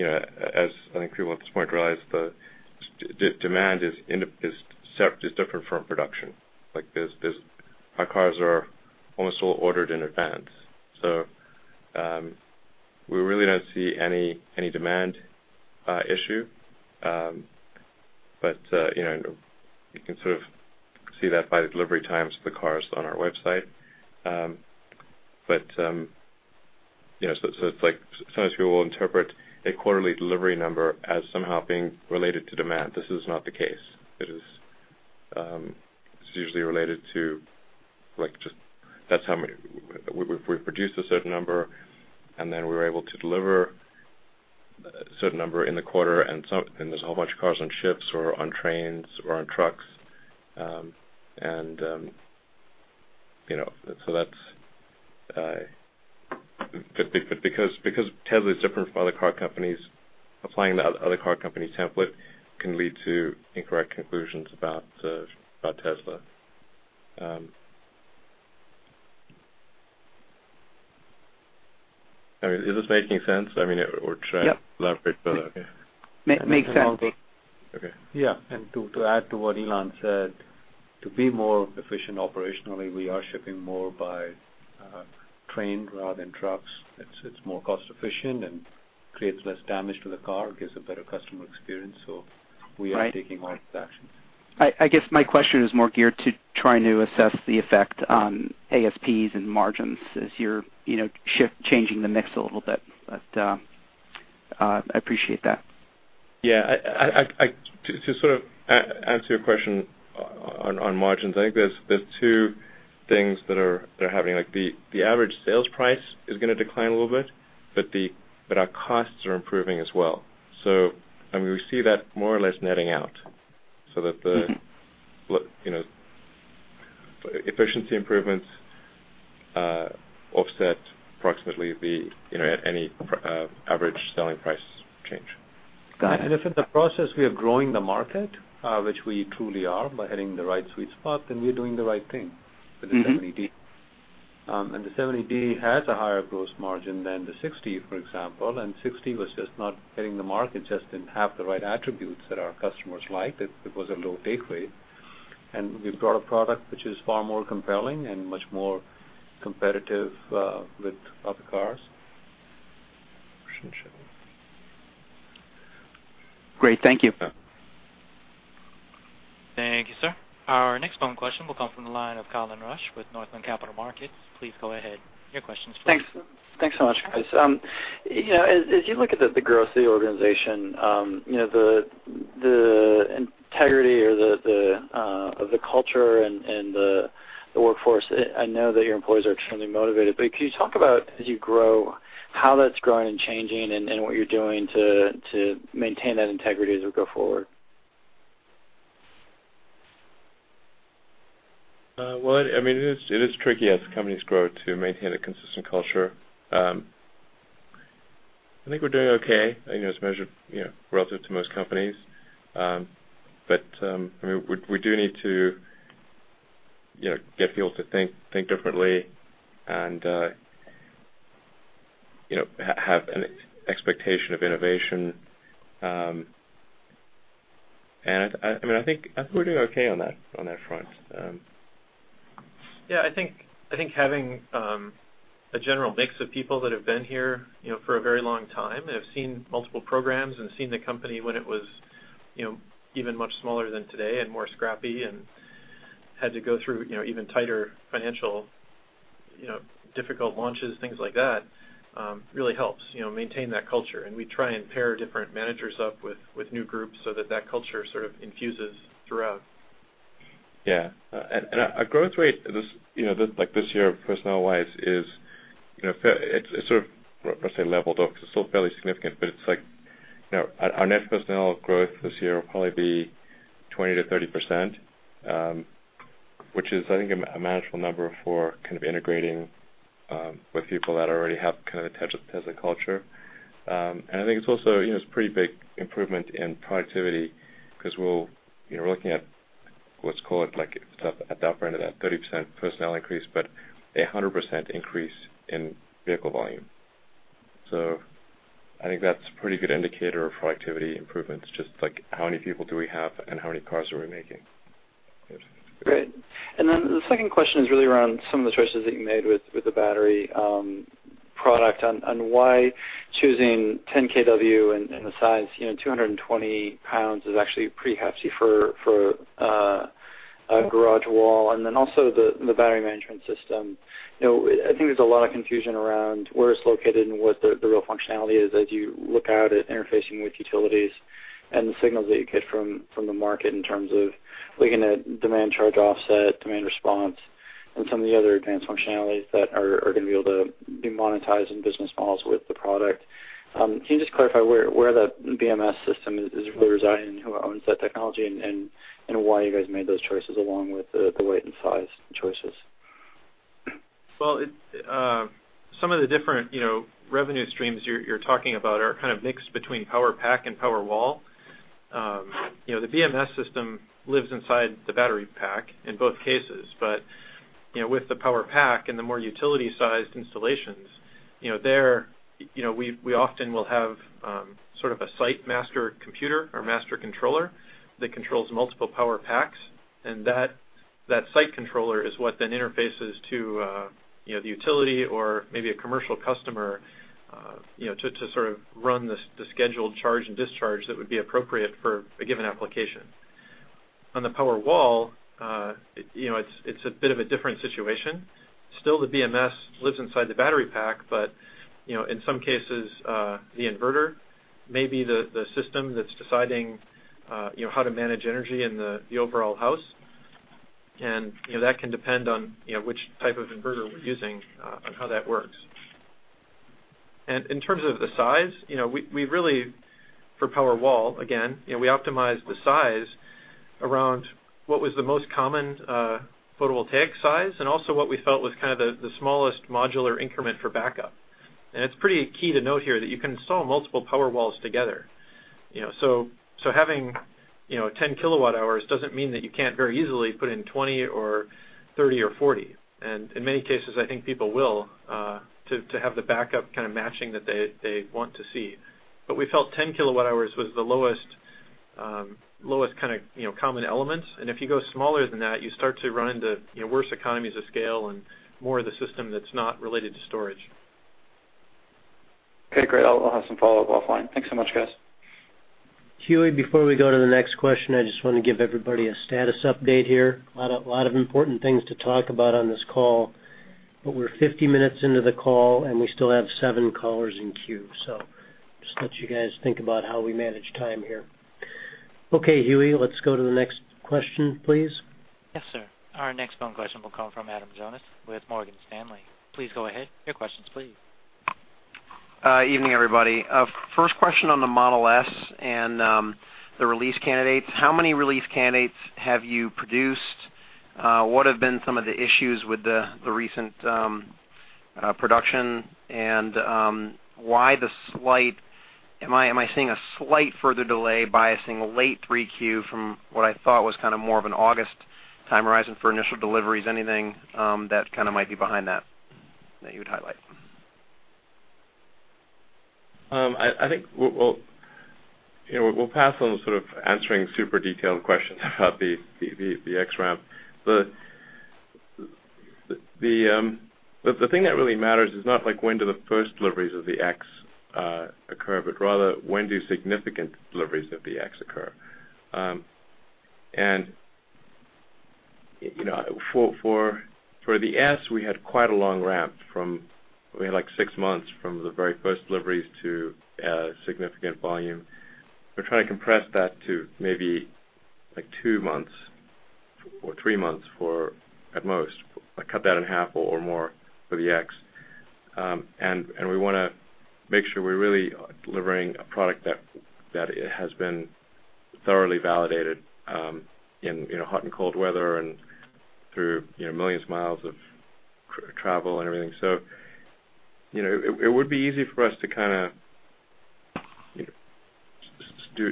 know, as I think people at this point realize the demand is different from production. Like, our cars are almost all ordered in advance. We really don't see any demand issue. You know, you can sort of see that by the delivery times of the cars on our website. You know, so it's like sometimes people will interpret a quarterly delivery number as somehow being related to demand. This is not the case. It is, it's usually related to, like, just that's how we produced a certain number, we were able to deliver a certain number in the quarter, and there's a whole bunch of cars on ships or on trains or on trucks. You know, that's because Tesla is different from other car companies, applying the other car companies' template can lead to incorrect conclusions about Tesla. I mean, is this making sense? Yep. Elaborate further? Yeah. Makes sense. Okay. Yeah. To add to what Elon said, to be more efficient operationally, we are shipping more by train rather than trucks. It's more cost-efficient and creates less damage to the car, gives a better customer experience. We are- Right. ...taking all of the actions. I guess my question is more geared to trying to assess the effect on ASPs and margins as you're, you know, changing the mix a little bit. I appreciate that. Yeah. To sort of answer your question on margins, I think there's two things that are happening. Like, the average sales price is gonna decline a little bit. Our costs are improving as well. I mean, we see that more or less netting out. You know, efficiency improvements offset approximately the, you know, any average selling price change. Got it. If in the process we are growing the market, which we truly are by hitting the right sweet spot, then we're doing the right thing. For the 70D. The 70D has a higher gross margin than the 60D, for example. 60D was just not hitting the market, just didn't have the right attributes that our customers liked. It was a low take rate. We've got a product which is far more compelling and much more competitive with other cars. Great. Thank you. Thank you, sir. Our next phone question will come from the line of Colin Rusch with Northland Capital Markets. Please go ahead. Your question is first. Thanks. Thanks so much, guys. You know, as you look at the growth of the organization, you know, the integrity or the of the culture and the workforce, I know that your employees are extremely motivated, can you talk about as you grow, how that's growing and changing and what you're doing to maintain that integrity as we go forward? Well, I mean, it is tricky as companies grow to maintain a consistent culture. I think we're doing okay, you know, as measured, you know, relative to most companies. I mean, we do need to, you know, get people to think differently and, you know, have an expectation of innovation. I mean, I think we're doing okay on that front. Yeah, I think having, a general mix of people that have been here, you know, for a very long time, have seen multiple programs and seen the company when it was, you know, even much smaller than today and more scrappy and had to go through, you know, even tighter financial, you know, difficult launches, things like that, really helps, you know, maintain that culture. We try and pair different managers up with new groups so that that culture sort of infuses throughout. Our growth rate this, you know, like this year personnel-wise is, you know, it's sort of, I'd say leveled off 'cause it's still fairly significant, but it's like, you know, our net personnel growth this year will probably be 20%-30%, which is I think a manageable number for kind of integrating with people that already have kind of a Tesla culture. I think it's also, you know, it's pretty big improvement in productivity 'cause we'll, you know, we're looking at, let's call it like at the upper end of that 30% personnel increase, but a 100% increase in vehicle volume. I think that's a pretty good indicator of productivity improvements, just like how many people do we have and how many cars are we making. Great. The second question is really around some of the choices that you made with the battery product and why choosing 10 kW and the size, you know, 220 lbs is actually pretty hefty for a garage wall. Also the battery management system. You know, I think there's a lot of confusion around where it's located and what the real functionality is as you look out at interfacing with utilities and the signals that you get from the market in terms of looking at demand charge offset, demand response, and some of the other advanced functionalities that are gonna be able to be monetized in business models with the product. Can you just clarify where the BMS system is really residing and who owns that technology and why you guys made those choices along with the weight and size choices? Well, it, some of the different, you know, revenue streams you're talking about are kind of mixed between Powerpack and Powerwall. You know, the BMS system lives inside the battery pack in both cases. You know, with the Powerpack and the more utility-sized installations, you know, there, you know, we often will have, sort of a site master computer or master controller that controls multiple Powerpacks, and that site controller is what then interfaces to, you know, the utility or maybe a commercial customer, you know, to sort of run the scheduled charge and discharge that would be appropriate for a given application. On the Powerwall, you know, it's a bit of a different situation. Still the BMS lives inside the battery pack, but, you know, in some cases, the inverter may be the system that's deciding, you know, how to manage energy in the overall house. You know, that can depend on, you know, which type of inverter we're using on how that works. In terms of the size, you know, we've really, for Powerwall, again, you know, we optimized the size around what was the most common photovoltaic size and also what we felt was kind of the smallest modular increment for backup. It's pretty key to note here that you can install multiple Powerwalls together. You know, so having, you know, 10 kWh doesn't mean that you can't very easily put in 20 kWh or 30 kWh or 40 kWh. In many cases, I think people will to have the backup kind of matching that they want to see. We felt 10 kWh was the lowest kind of, you know, common element. If you go smaller than that, you start to run into, you know, worse economies of scale and more of the system that's not related to storage. Okay, great. I'll have some follow-up offline. Thanks so much, guys. Huey, before we go to the next question, I just wanna give everybody a status update here. Lot of important things to talk about on this call, but we're 50 minutes into the call, and we still have seven callers in queue. Just let you guys think about how we manage time here. Okay, Huey let's go to the next question, please. Yes, sir. Our next phone question will come from Adam Jonas with Morgan Stanley. Please go ahead with your questions please. Evening, everybody. First question on the Model S and the release candidates. How many release candidates have you produced? What have been some of the issues with the recent production? Why the slight- am I seeing a slight further delay biasing late 3Q from what I thought was kind of more of an August time horizon for initial deliveries? Anything that kind of might be behind that that you would highlight? I think we'll, you know, we'll pass on sort of answering super detailed questions about the X ramp. The thing that really matters is not like when do the first deliveries of the X occur, but rather when do significant deliveries of the X occur. You know, for the S, we had quite a long ramp from, we had like six months from the very first deliveries to significant volume. We're trying to compress that to maybe like two months or three months for at most, like cut that in half or more for the X. We wanna make sure we're really delivering a product that has been thoroughly validated, in, you know, hot and cold weather and through, you know, millions of miles of travel and everything. You know, it would be easy for us to kinda, you know,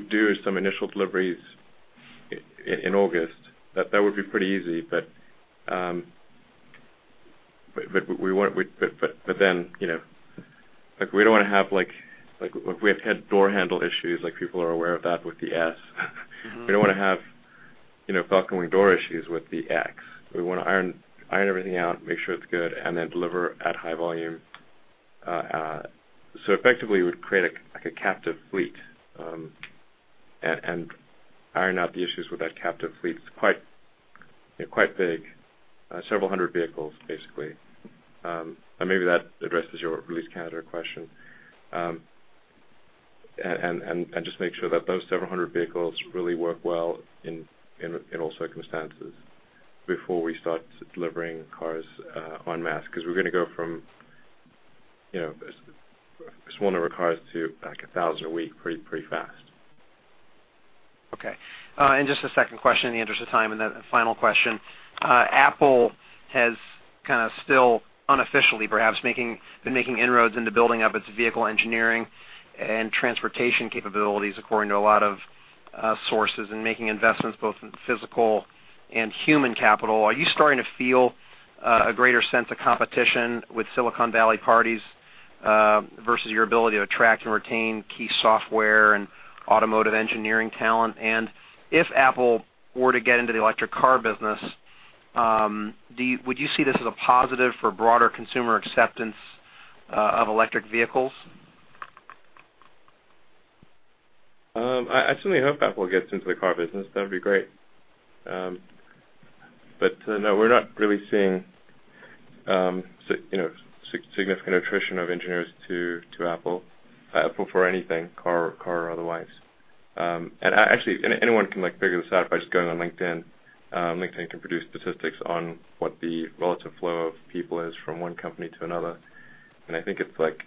do some initial deliveries in August. That would be pretty easy, but then, you know, like we don't wanna have like we have had door handle issues, like people are aware of that with the S. We don't wanna have, you know, Falcon Wing door issues with the X. We wanna iron everything out, make sure it's good, and then deliver at high volume. Effectively we would create a, like a captive fleet, and iron out the issues with that captive fleet. It's quite big, several hundred vehicles, basically. Maybe that addresses your release calendar question. Just make sure that those several hundred vehicles really work well in all circumstances before we start delivering cars en masse. 'Cause we're gonna go from, you know, smaller cars to like 1,000 a week pretty fast. Just a second question in the interest of time, then a final question. Apple has kinda still unofficially perhaps been making inroads into building up its vehicle engineering and transportation capabilities according to a lot of sources and making investments both in physical and human capital. Are you starting to feel a greater sense of competition with Silicon Valley parties versus your ability to attract and retain key software and automotive engineering talent? If Apple were to get into the electric car business, would you see this as a positive for broader consumer acceptance of electric vehicles? I certainly hope Apple gets into the car business, that would be great. No, we're not really seeing, you know, significant attrition of engineers to Apple for anything, car or otherwise. Actually, anyone can like figure this out by just going on LinkedIn. LinkedIn can produce statistics on what the relative flow of people is from one company to another. I think it's like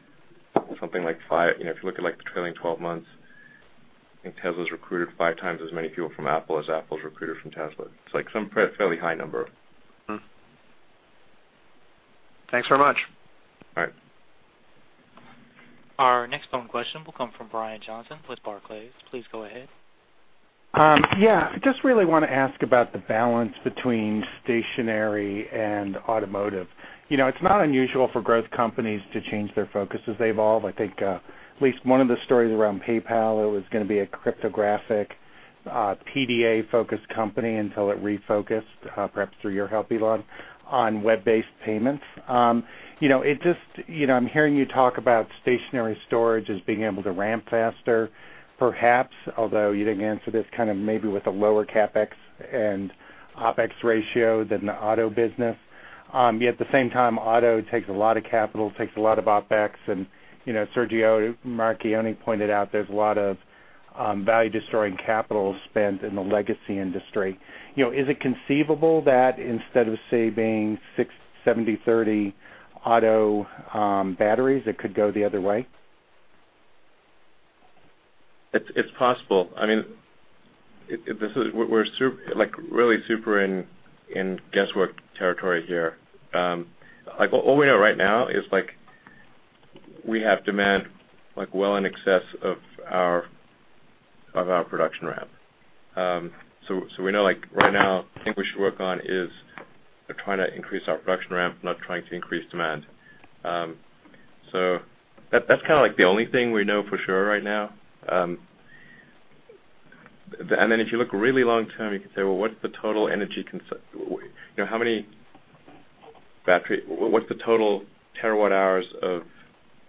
something like five, you know, if you look at like the trailing 12 months, I think Tesla's recruited five times as many people from Apple as Apple's recruited from Tesla. It's like some fairly high number. Thanks very much. All right. Our next phone question will come from Brian Johnson with Barclays. Please go ahead. Yeah. I just really want to ask about the balance between stationary and automotive. You know, it's not unusual for growth companies to change their focus as they evolve. I think, at least one of the stories around PayPal, it was going to be a cryptographic, PDA-focused company until it refocused, perhaps through your help, Elon, on web-based payments. You know, it just, you know, I'm hearing you talk about stationary storage as being able to ramp faster, perhaps, although you didn't answer this kind of maybe with a lower CapEx and OpEx ratio than the auto business. At the same time, auto takes a lot of capital, takes a lot of OpEx, and, you know, Sergio Marchionne pointed out there's a lot of value-destroying capital spent in the legacy industry. You know, is it conceivable that instead of, say, being six, 70-30 auto batteries, it could go the other way? It's possible. I mean, this is like really super in guesswork territory here. Like all we know right now is like we have demand like well in excess of our production ramp. We know like right now, the thing we should work on is trying to increase our production ramp, not trying to increase demand. That's kinda like the only thing we know for sure right now. Then if you look really long term, you can say, well, what's the total energy consumption? You know, what's the total terawatt-hours of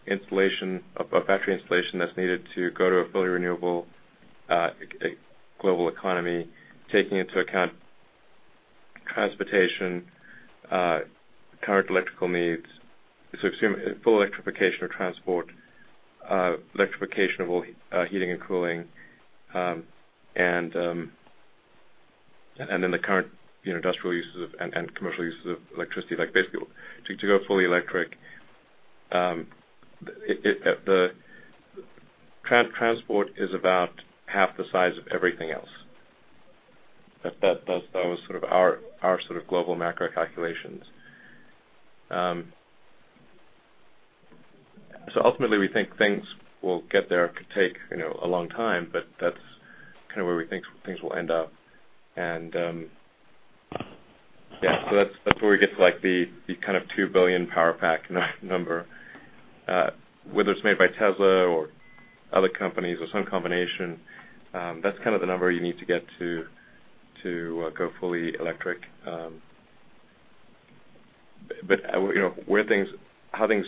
installation, of battery installation that's needed to go to a fully renewable global economy, taking into account transportation, current electrical needs. Assume full electrification of transport, electrification of all heating and cooling, and then the current, you know, industrial and commercial uses of electricity, like basically to go fully electric, transport is about half the size of everything else. That was sort of our global macro calculations. Ultimately we think things will get there. It could take, you know, a long time, but that's kind of where we think things will end up and that's where we get to like the kind of 2 billion Powerpack number. Whether it's made by Tesla or other companies or some combination, that's kind of the number you need to get to to go fully electric. You know, how things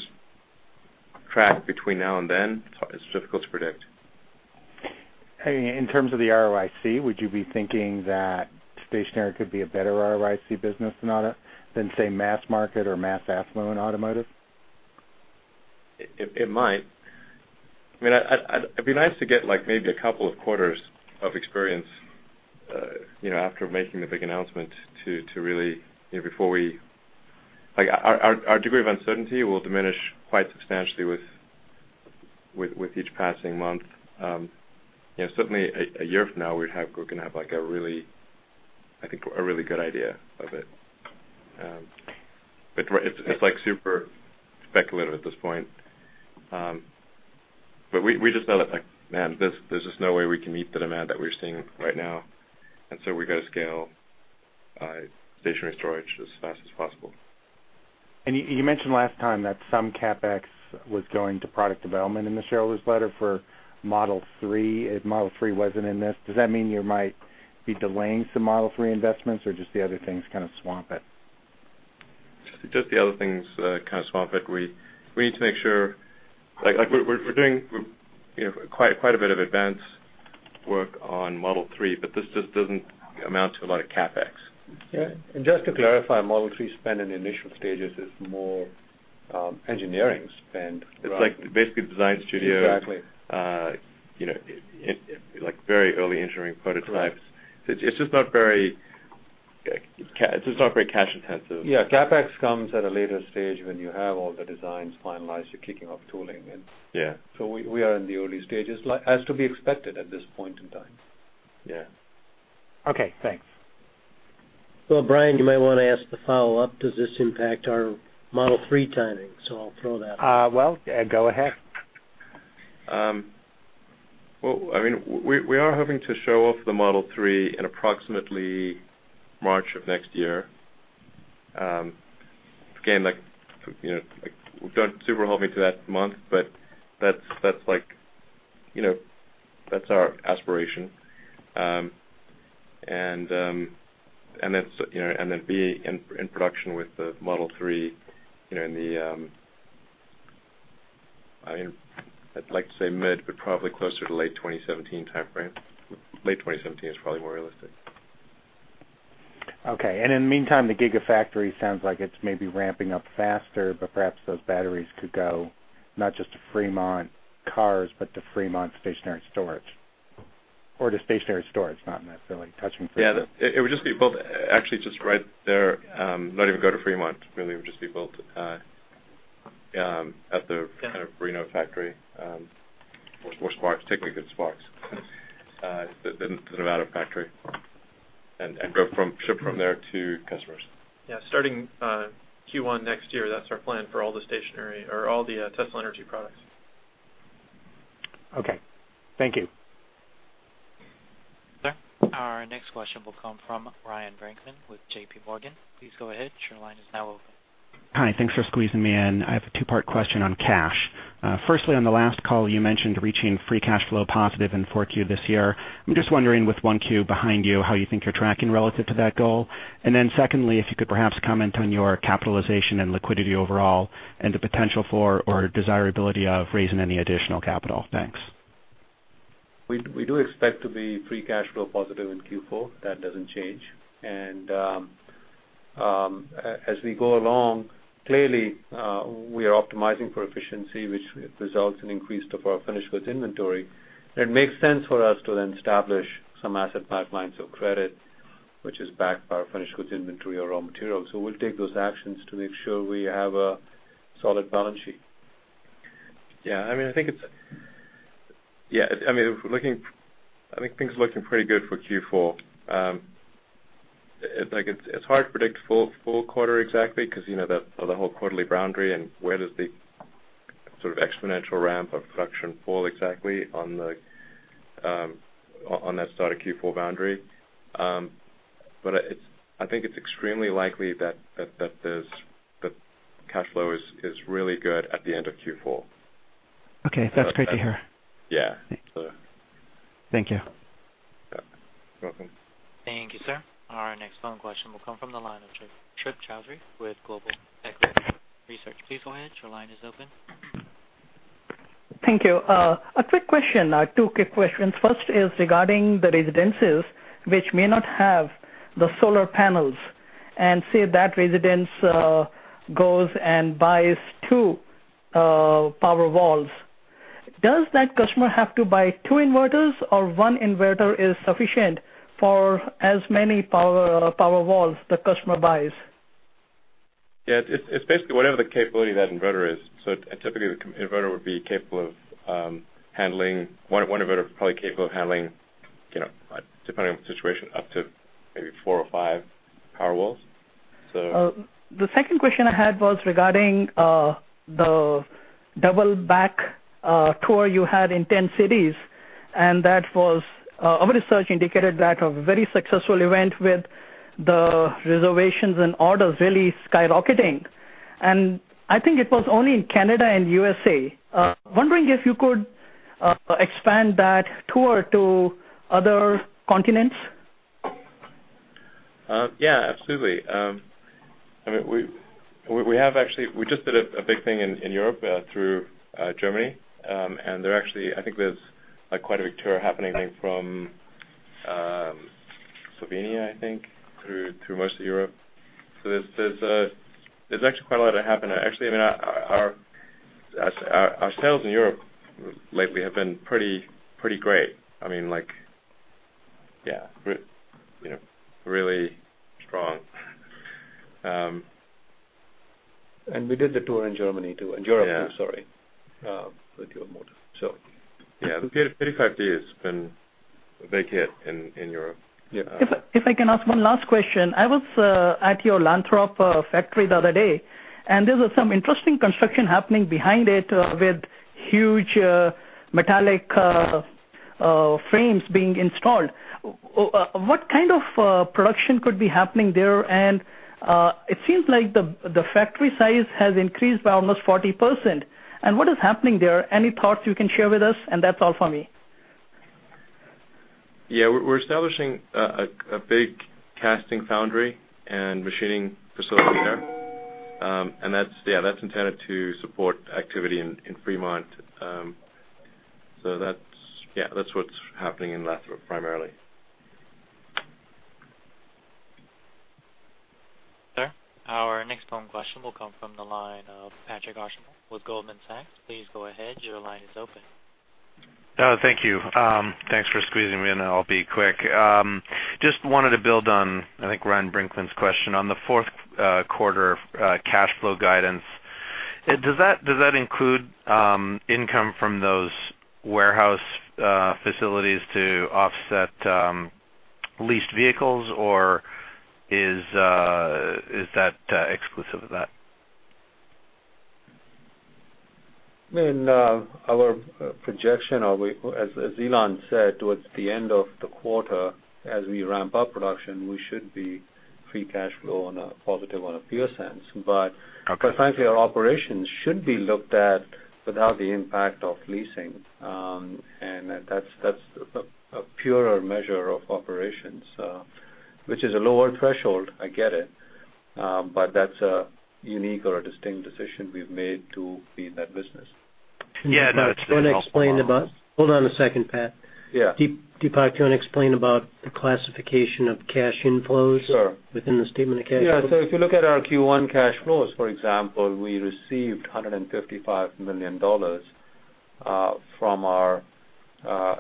track between now and then, it's difficult to predict. In terms of the ROIC, would you be thinking that stationary could be a better ROIC business than auto, than say, mass market or mass affluent automotive? It might. I mean, it'd be nice to get like maybe two quarters of experience, you know, after making the big announcement to really, you know, before our degree of uncertainty will diminish quite substantially with each passing month. You know, certainly a year from now we're gonna have like a really, I think, a really good idea of it. It's like super speculative at this point. We just felt like, man, there's just no way we can meet the demand that we're seeing right now, we've got to scale stationary storage as fast as possible. You mentioned last time that some CapEx was going to product development in the shareholders letter for Model 3. If Model 3 wasn't in this, does that mean you might be delaying some Model 3 investments or just the other things kind of swamp it? Just the other things kind of swamp it. We need to make sure like we're doing, you know, quite a bit of advance work on Model 3, but this just doesn't amount to a lot of CapEx. Just to clarify, Model 3 spend in the initial stages is more engineering spend. It's like basically design studio. Exactly. You know, like very early engineering prototypes. Correct. It's just not very cash intensive. Yeah, CapEx comes at a later stage when you have all the designs finalized, you're kicking off tooling. Yeah. We are in the early stages, as to be expected at this point in time. Yeah. Okay, thanks. Well, Brian, you might wanna ask the follow-up. Does this impact our Model 3 timing? I'll throw that out. Well, go ahead. Well, I mean, we are hoping to show off the Model 3 in approximately March of next year. Again, like, you know, like don't super hold me to that month, but that's like, you know, that's our aspiration. It's, you know, and then be in production with the Model 3, you know, in the, I mean, I'd like to say mid, but probably closer to late 2017 timeframe. Late 2017 is probably more realistic. Okay. In the meantime, the Gigafactory sounds like it's maybe ramping up faster, but perhaps those batteries could go not just to Fremont cars, but to Fremont stationary storage or to stationary storage, not necessarily touching Fremont. Yeah. It would just be built actually just right there, not even go to Fremont really. It would just be built at the kind of Reno factory, or Sparks. Technically, it's Sparks, the Nevada factory and ship from there to customers. Starting Q1 next year, that's our plan for all the stationary or all the Tesla Energy products. Okay. Thank you. Sir, our next question will come from Ryan Brinkman with JPMorgan. Please go ahead, your line is now open. Hi. Thanks for squeezing me in. I have a two-part question on cash. Firstly, on the last call, you mentioned reaching free cash flow positive in Q4 this year. I'm just wondering with Q1 behind you, how you think you're tracking relative to that goal. Secondly, if you could perhaps comment on your capitalization and liquidity overall and the potential for or desirability of raising any additional capital. Thanks. We do expect to be free cash flow positive in Q4, that doesn't change. As we go along, clearly, we are optimizing for efficiency, which results in increased of our finished goods inventory. It makes sense for us to then establish some asset pipelines of credit, which is backed by our finished goods inventory or raw materials and so we'll take those actions to make sure we have a solid balance sheet. I think things are looking pretty good for Q4. like it's hard to predict full quarter exactly, because you know, the whole quarterly boundary and where does the sort of exponential ramp of production fall exactly on the on that start of Q4 boundary. I think it's extremely likely that there's that cash flow is really good at the end of Q4. Okay. That's great to hear. Yeah. Thank you. Yeah. You're welcome. Thank you, sir. Our next phone question will come from the line of Trip Chowdhry with Global Equities Research. Please go ahead, your line is open. Thank you. A quick question, two quick questions. First is regarding the residences which may not have the solar panels and say that residence goes and buys two Powerwalls. Does that customer have to buy two inverters or one inverter is sufficient for as many Powerwalls the customer buys? Yeah. It's basically whatever the capability of that inverter is. Typically, the inverter would be capable of handling one inverter probably capable of handling, you know, depending on the situation, up to maybe four or five Powerwalls. The second question I had was regarding the dual motor tour you had in 10 cities, and that was our research indicated that a very successful event with the reservations and orders really skyrocketing. I think it was only in Canada and U.S.A. Wondering if you could expand that tour to other continents? Yeah, absolutely. I mean, we have actually. We just did a big thing in Europe, through Germany. There actually, I think there's like quite a big tour happening from Slovenia, I think, through most of Europe. There's actually quite a lot to happen. Actually, I mean, our sales in Europe lately have been pretty great, I mean, like, yeah, you know, really strong. We did the tour in Germany too- Yeah, sorry. ...with dual motor. Yeah. 30, 35 days been a big hit in Europe. Yeah. If I can ask one last question. I was at your Lathrop factory the other day, and there was some interesting construction happening behind it, with huge metallic frames being installed. What kind of production could be happening there? It seems like the factory size has increased by almost 40%. What is happening there? Any thoughts you can share with us? That's all for me. Yeah. We're establishing a big casting foundry and machining facility there. That's, yeah, that's intended to support activity in Fremont. That's, yeah, that's what's happening in Lathrop, primarily. Sir, our next phone question will come from the line of Patrick Archambault with Goldman Sachs. Please go ahead. Your line is open. Thank you. Thanks for squeezing me in. I'll be quick. Just wanted to build on, I think, Ryan Brinkman's question on the fourth quarter cash flow guidance. Does that include income from those warehouse facilities to offset leased vehicles, or is that exclusive of that? I mean, our projection as Elon said, towards the end of the quarter, as we ramp up production, we should be free cash flow on a positive on a pure sense. Okay. Quite frankly, our operations should be looked at without the impact of leasing. That's a purer measure of operations which is a lower threshold, I get it. That's a unique or a distinct decision we've made to be in that business. Yeah, no. Do you wanna explain about? Hold on a second, Pat. Yeah. Deepak, do you wanna explain about the classification of cash inflows- Sure. ...within the statement of cash flow? If you look at our Q1 cash flows, for example, we received $155 million from our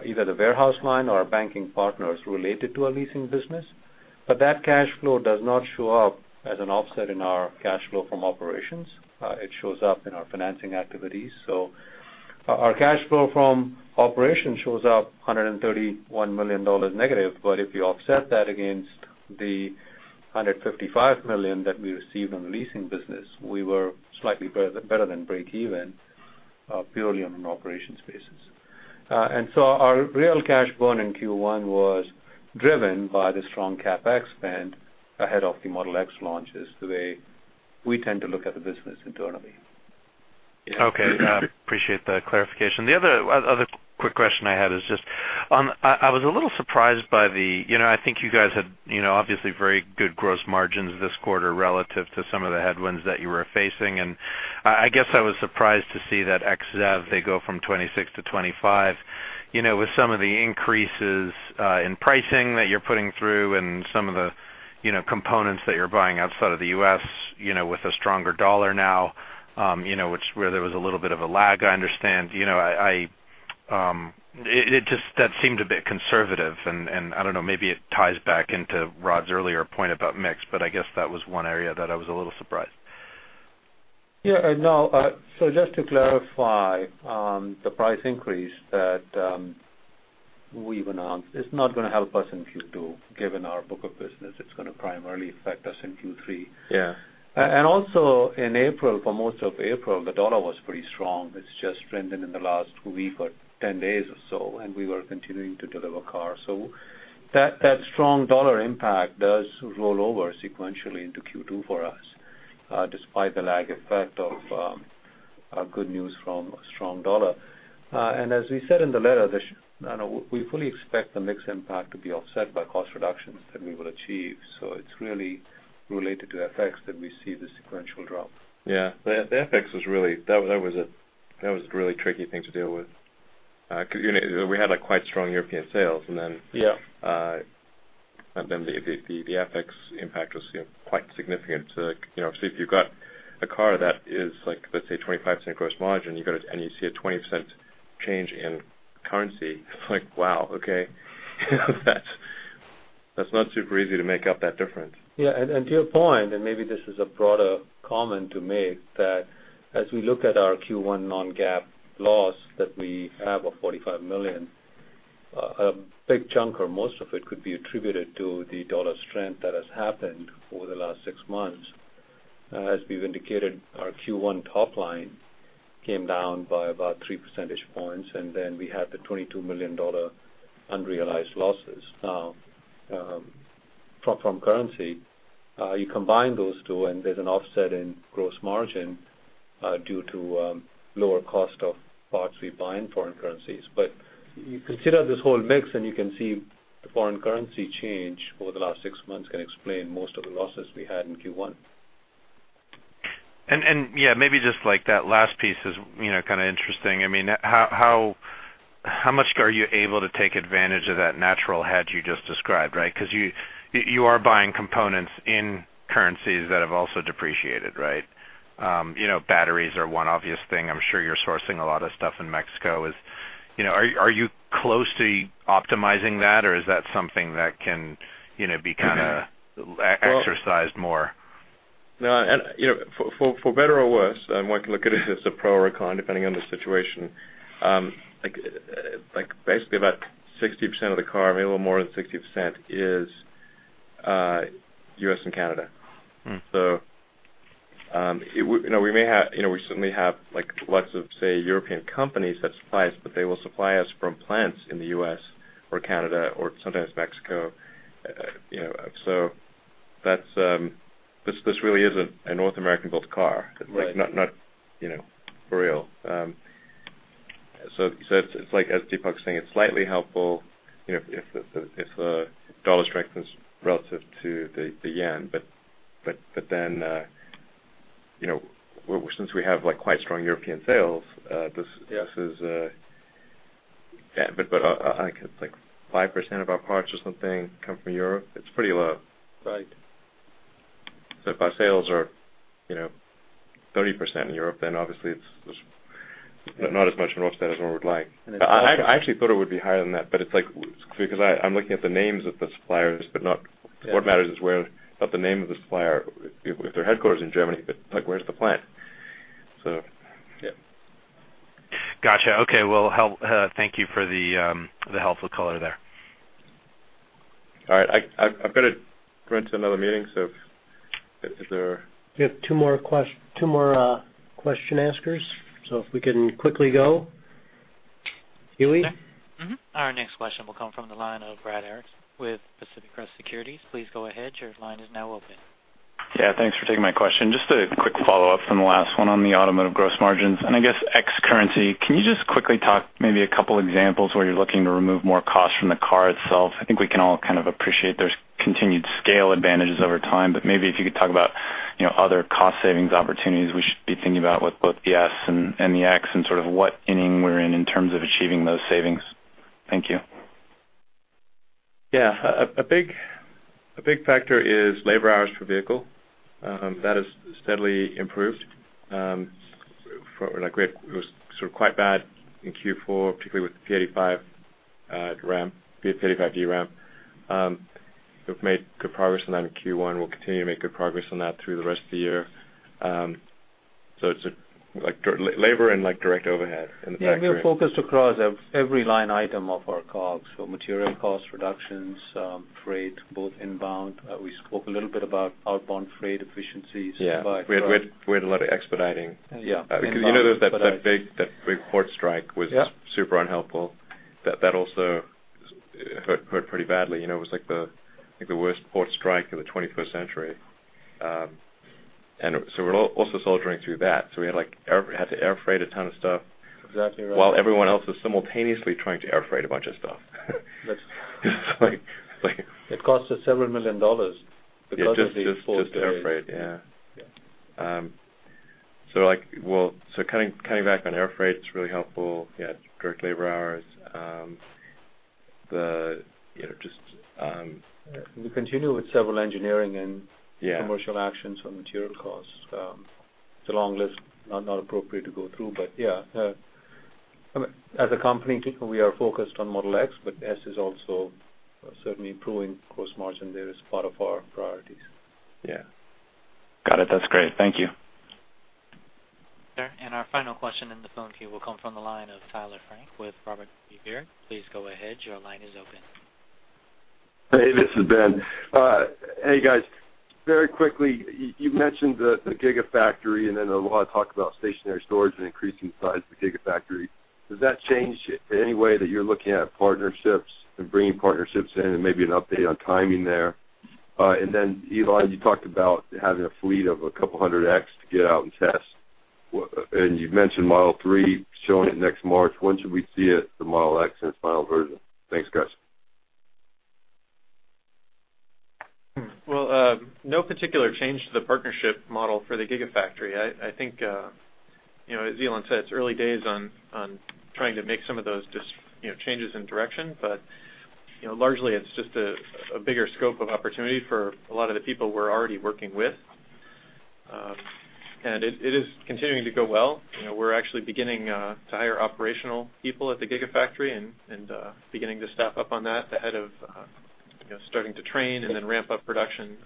either the warehouse line or our banking partners related to our leasing business. That cash flow does not show up as an offset in our cash flow from operations. It shows up in our financing activities. Our cash flow from operations shows up $131 million negative, but if you offset that against the $155 million that we received on the leasing business, we were slightly better than break even purely on an operations basis. Our real cash burn in Q1 was driven by the strong CapEx spend ahead of the Model X launches, the way we tend to look at the business internally. Okay. Appreciate the clarification. The other quick question I had is just, I was a little surprised by the, you know, I think you guys had, you know, obviously very good gross margins this quarter relative to some of the headwinds that you were facing. I guess I was surprised to see that ex-ZEV, they go from 26%-25%. You know, with some of the increases in pricing that you're putting through and some of the, you know, components that you're buying outside of the U.S., you know, with a stronger dollar now, you know, which where there was a little bit of a lag, I understand. You know, it just, that seemed a bit conservative and I don't know, maybe it ties back into Rod's earlier point about mix, but I guess that was one area that I was a little surprised. Yeah. No. Just to clarify, the price increase that we've announced, it's not gonna help us in Q2, given our book of business. It's gonna primarily affect us in Q3. Yeah. Also in April, for most of April, the dollar was pretty strong. It's just strengthened in the last week or 10 days or so, and we were continuing to deliver cars. That strong dollar impact does roll over sequentially into Q2 for us, despite the lag effect of our good news from a strong dollar. As we said in the letter, we fully expect the mix impact to be offset by cost reductions that we will achieve, so it's really related to FX that we see the sequential drop. Yeah. That was a really tricky thing to deal with 'cause you know, we had like quite strong European sales. Yeah The FX impact was, you know, quite significant. If you've got a car that is like, let's say $0.25 gross margin, you see a $0.20 change in currency, it's like, wow, okay. That's, that's not super easy to make up that difference. Yeah. To your point, and maybe this is a broader comment to make, that as we look at our Q1 non-GAAP loss that we have a $45 million, a big chunk or most of it could be attributed to the dollar strength that has happened over the last six months. As we've indicated, our Q1 top line came down by about 3 percentage points, then we had the $22 million unrealized losses from currency. You combine those two, there's an offset in gross margin due to lower cost of parts we buy in foreign currencies. You consider this whole mix, you can see the foreign currency change over the last six months can explain most of the losses we had in Q1. Yeah, maybe just like that last piece is, you know, kind of interesting. I mean, how much are you able to take advantage of that natural hedge you just described, right? You are buying components in currencies that have also depreciated, right? You know, batteries are one obvious thing. I'm sure you're sourcing a lot of stuff in Mexico. You know, are you close to optimizing that, or is that something that can, you know, be. Well- exercised more? No. you know, for better or worse, and one can look at it as a pro or con depending on the situation, like basically about 60% of the car, maybe a little more than 60%, is U.S. and Canada. You know, we may have, you know, we certainly have like lots of, say, European companies that supply us, but they will supply us from plants in the U.S. or Canada or sometimes Mexico. You know, this really is a North American-built car. Right. Like, not, you know, for real. It's like as Deepak's saying, it's slightly helpful, you know, if the dollar strengthens relative to the yen, but then, you know, since we have like quite strong European sales. Yeah. S is yeah, but, like 5% of our parts or something come from Europe. It's pretty low. Right. If our sales are, you know, 30% in Europe, then obviously it's just not as much an offset as one would like. I actually thought it would be higher than that, but it's like, because I'm looking at the names of the suppliers- Yeah. ...what matters is where, not the name of the supplier. If their headquarters in Germany, but like where's the plant? Yeah. Gotcha. Okay. Well, thank you for the helpful color there. All right. I've gotta go into another meeting. We have two more question askers. If we can quickly go. Huey? Our next question will come from the line of Brad Erickson with Pacific Crest Securities. Please go ahead. Your line is now open. Yeah, thanks for taking my question. Just a quick follow-up from the last one on the automotive gross margins, and I guess ex-currency. Can you just quickly talk maybe a couple examples where you're looking to remove more costs from the car itself? I think we can all kind of appreciate there's continued scale advantages over time, maybe if you could talk about, you know, other cost savings opportunities we should be thinking about with both the Model S and the Model X and sort of what inning we're in in terms of achieving those savings. Thank you. Yeah. A big factor is labor hours per vehicle that has steadily improved. Like it was sort of quite bad in Q4, particularly with the P85D ramp. We've made good progress on that in Q1. We'll continue to make good progress on that through the rest of the year. It's a, like labor and like direct overhead in the factory. Yeah, we are focused across every line item of our COGS. Material cost reductions, freight, both inbound and we spoke a little bit about outbound freight efficiencies. Yeah. We had a lot of expediting. Yeah. Because you know that big port strike was- Yeah. ...super unhelpful. That also hurt pretty badly. You know, it was like the worst port strike of the 21st century. We're also soldiering through that. We had to air freight a ton of stuff- Exactly right. ...while everyone else was simultaneously trying to air freight a bunch of stuff. That's- It's like. It cost us several million dollars because of the port delay. Just air freight. Yeah. Yeah. Like, well, cutting back on air freight's really helpful. Yeah, direct labor hours. We continue with several engineering- Yeah ...commercial actions on material costs. It's a long list, not appropriate to go through, but yeah. I mean, as a company, we are focused on Model X, but S is also certainly improving gross margin there as part of our priorities. Yeah. Got it. That's great. Thank you. Our final question in the phone queue will come from the line of Tyler Frank with Robert W. Baird. Please go ahead. Your line is open. Hey, this is Ben. Hey, guys. Very quickly, you mentioned the Gigafactory and then a lot of talk about stationary storage and increasing the size of the Gigafactory. Does that change any way that you're looking at partnerships and bringing partnerships in and maybe an update on timing there? Then, Elon, you talked about having a fleet of a couple 100X to get out and test. You've mentioned Model 3 showing it next March. When should we see it, the Model X in its final version? Thanks, guys. No particular change to the partnership model for the Gigafactory. I think, you know, as Elon said, it's early days on trying to make some of those you know, changes in direction. You know, largely, it's just a bigger scope of opportunity for a lot of the people we're already working with. It is continuing to go well. You know, we're actually beginning to hire operational people at the Gigafactory and beginning to staff up on that ahead of, you know, starting to train and then ramp up production,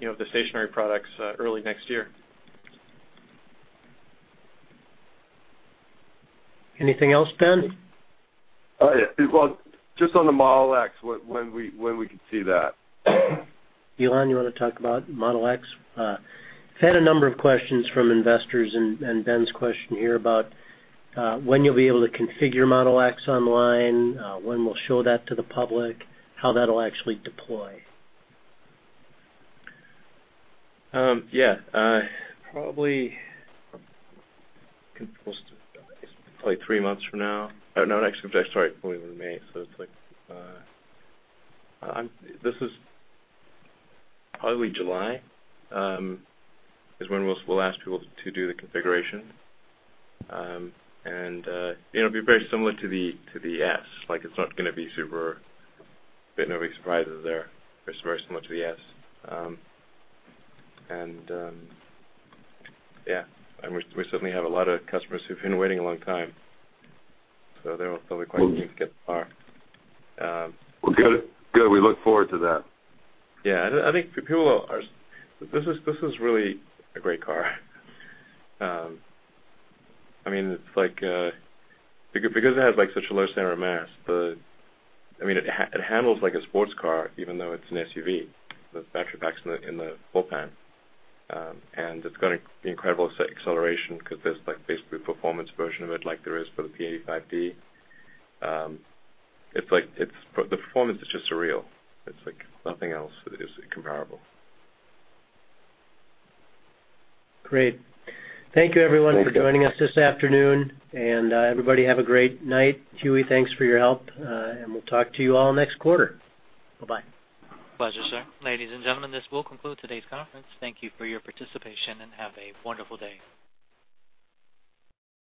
you know, of the stationary products early next year. Anything else, Ben? Yeah. Well, just on the Model X, when we could see that? Elon, you wanna talk about Model X? I've had a number of questions from investors and Ben's question here about, when you'll be able to configure Model X online, when we'll show that to the public, how that'll actually deploy. Yeah, probably close to three months from now. No, next, sorry, probably in May, so it's like, this is probably July, is when we'll ask people to do the configuration. And, you know, it'll be very similar to the S. Like, it's not gonna be super big, no big surprises there. It's very similar to the S, and, yeah. We certainly have a lot of customers who've been waiting a long time, so they'll be quite unique in the car. Well, good, we look forward to that. Yeah. I think people are, this is really a great car. I mean, it's like, because it has, like, such a low center of mass, the, I mean, it handles like a sports car even though it's an SUV. The battery pack's in the full pan. It's got incredible acceleration 'cause there's, like, basically a performance version of it like there is for the P85D. It's like the performance is just surreal. It's like nothing else is comparable. Great. Thank you, everyone- Thank you. ...for joining us this afternoon. Everybody, have a great night. Huey, thanks for your help. We'll talk to you all next quarter. Bye-bye. Pleasure, sir. Ladies and gentlemen, this will conclude today's conference. Thank you for your participation, and have a wonderful day.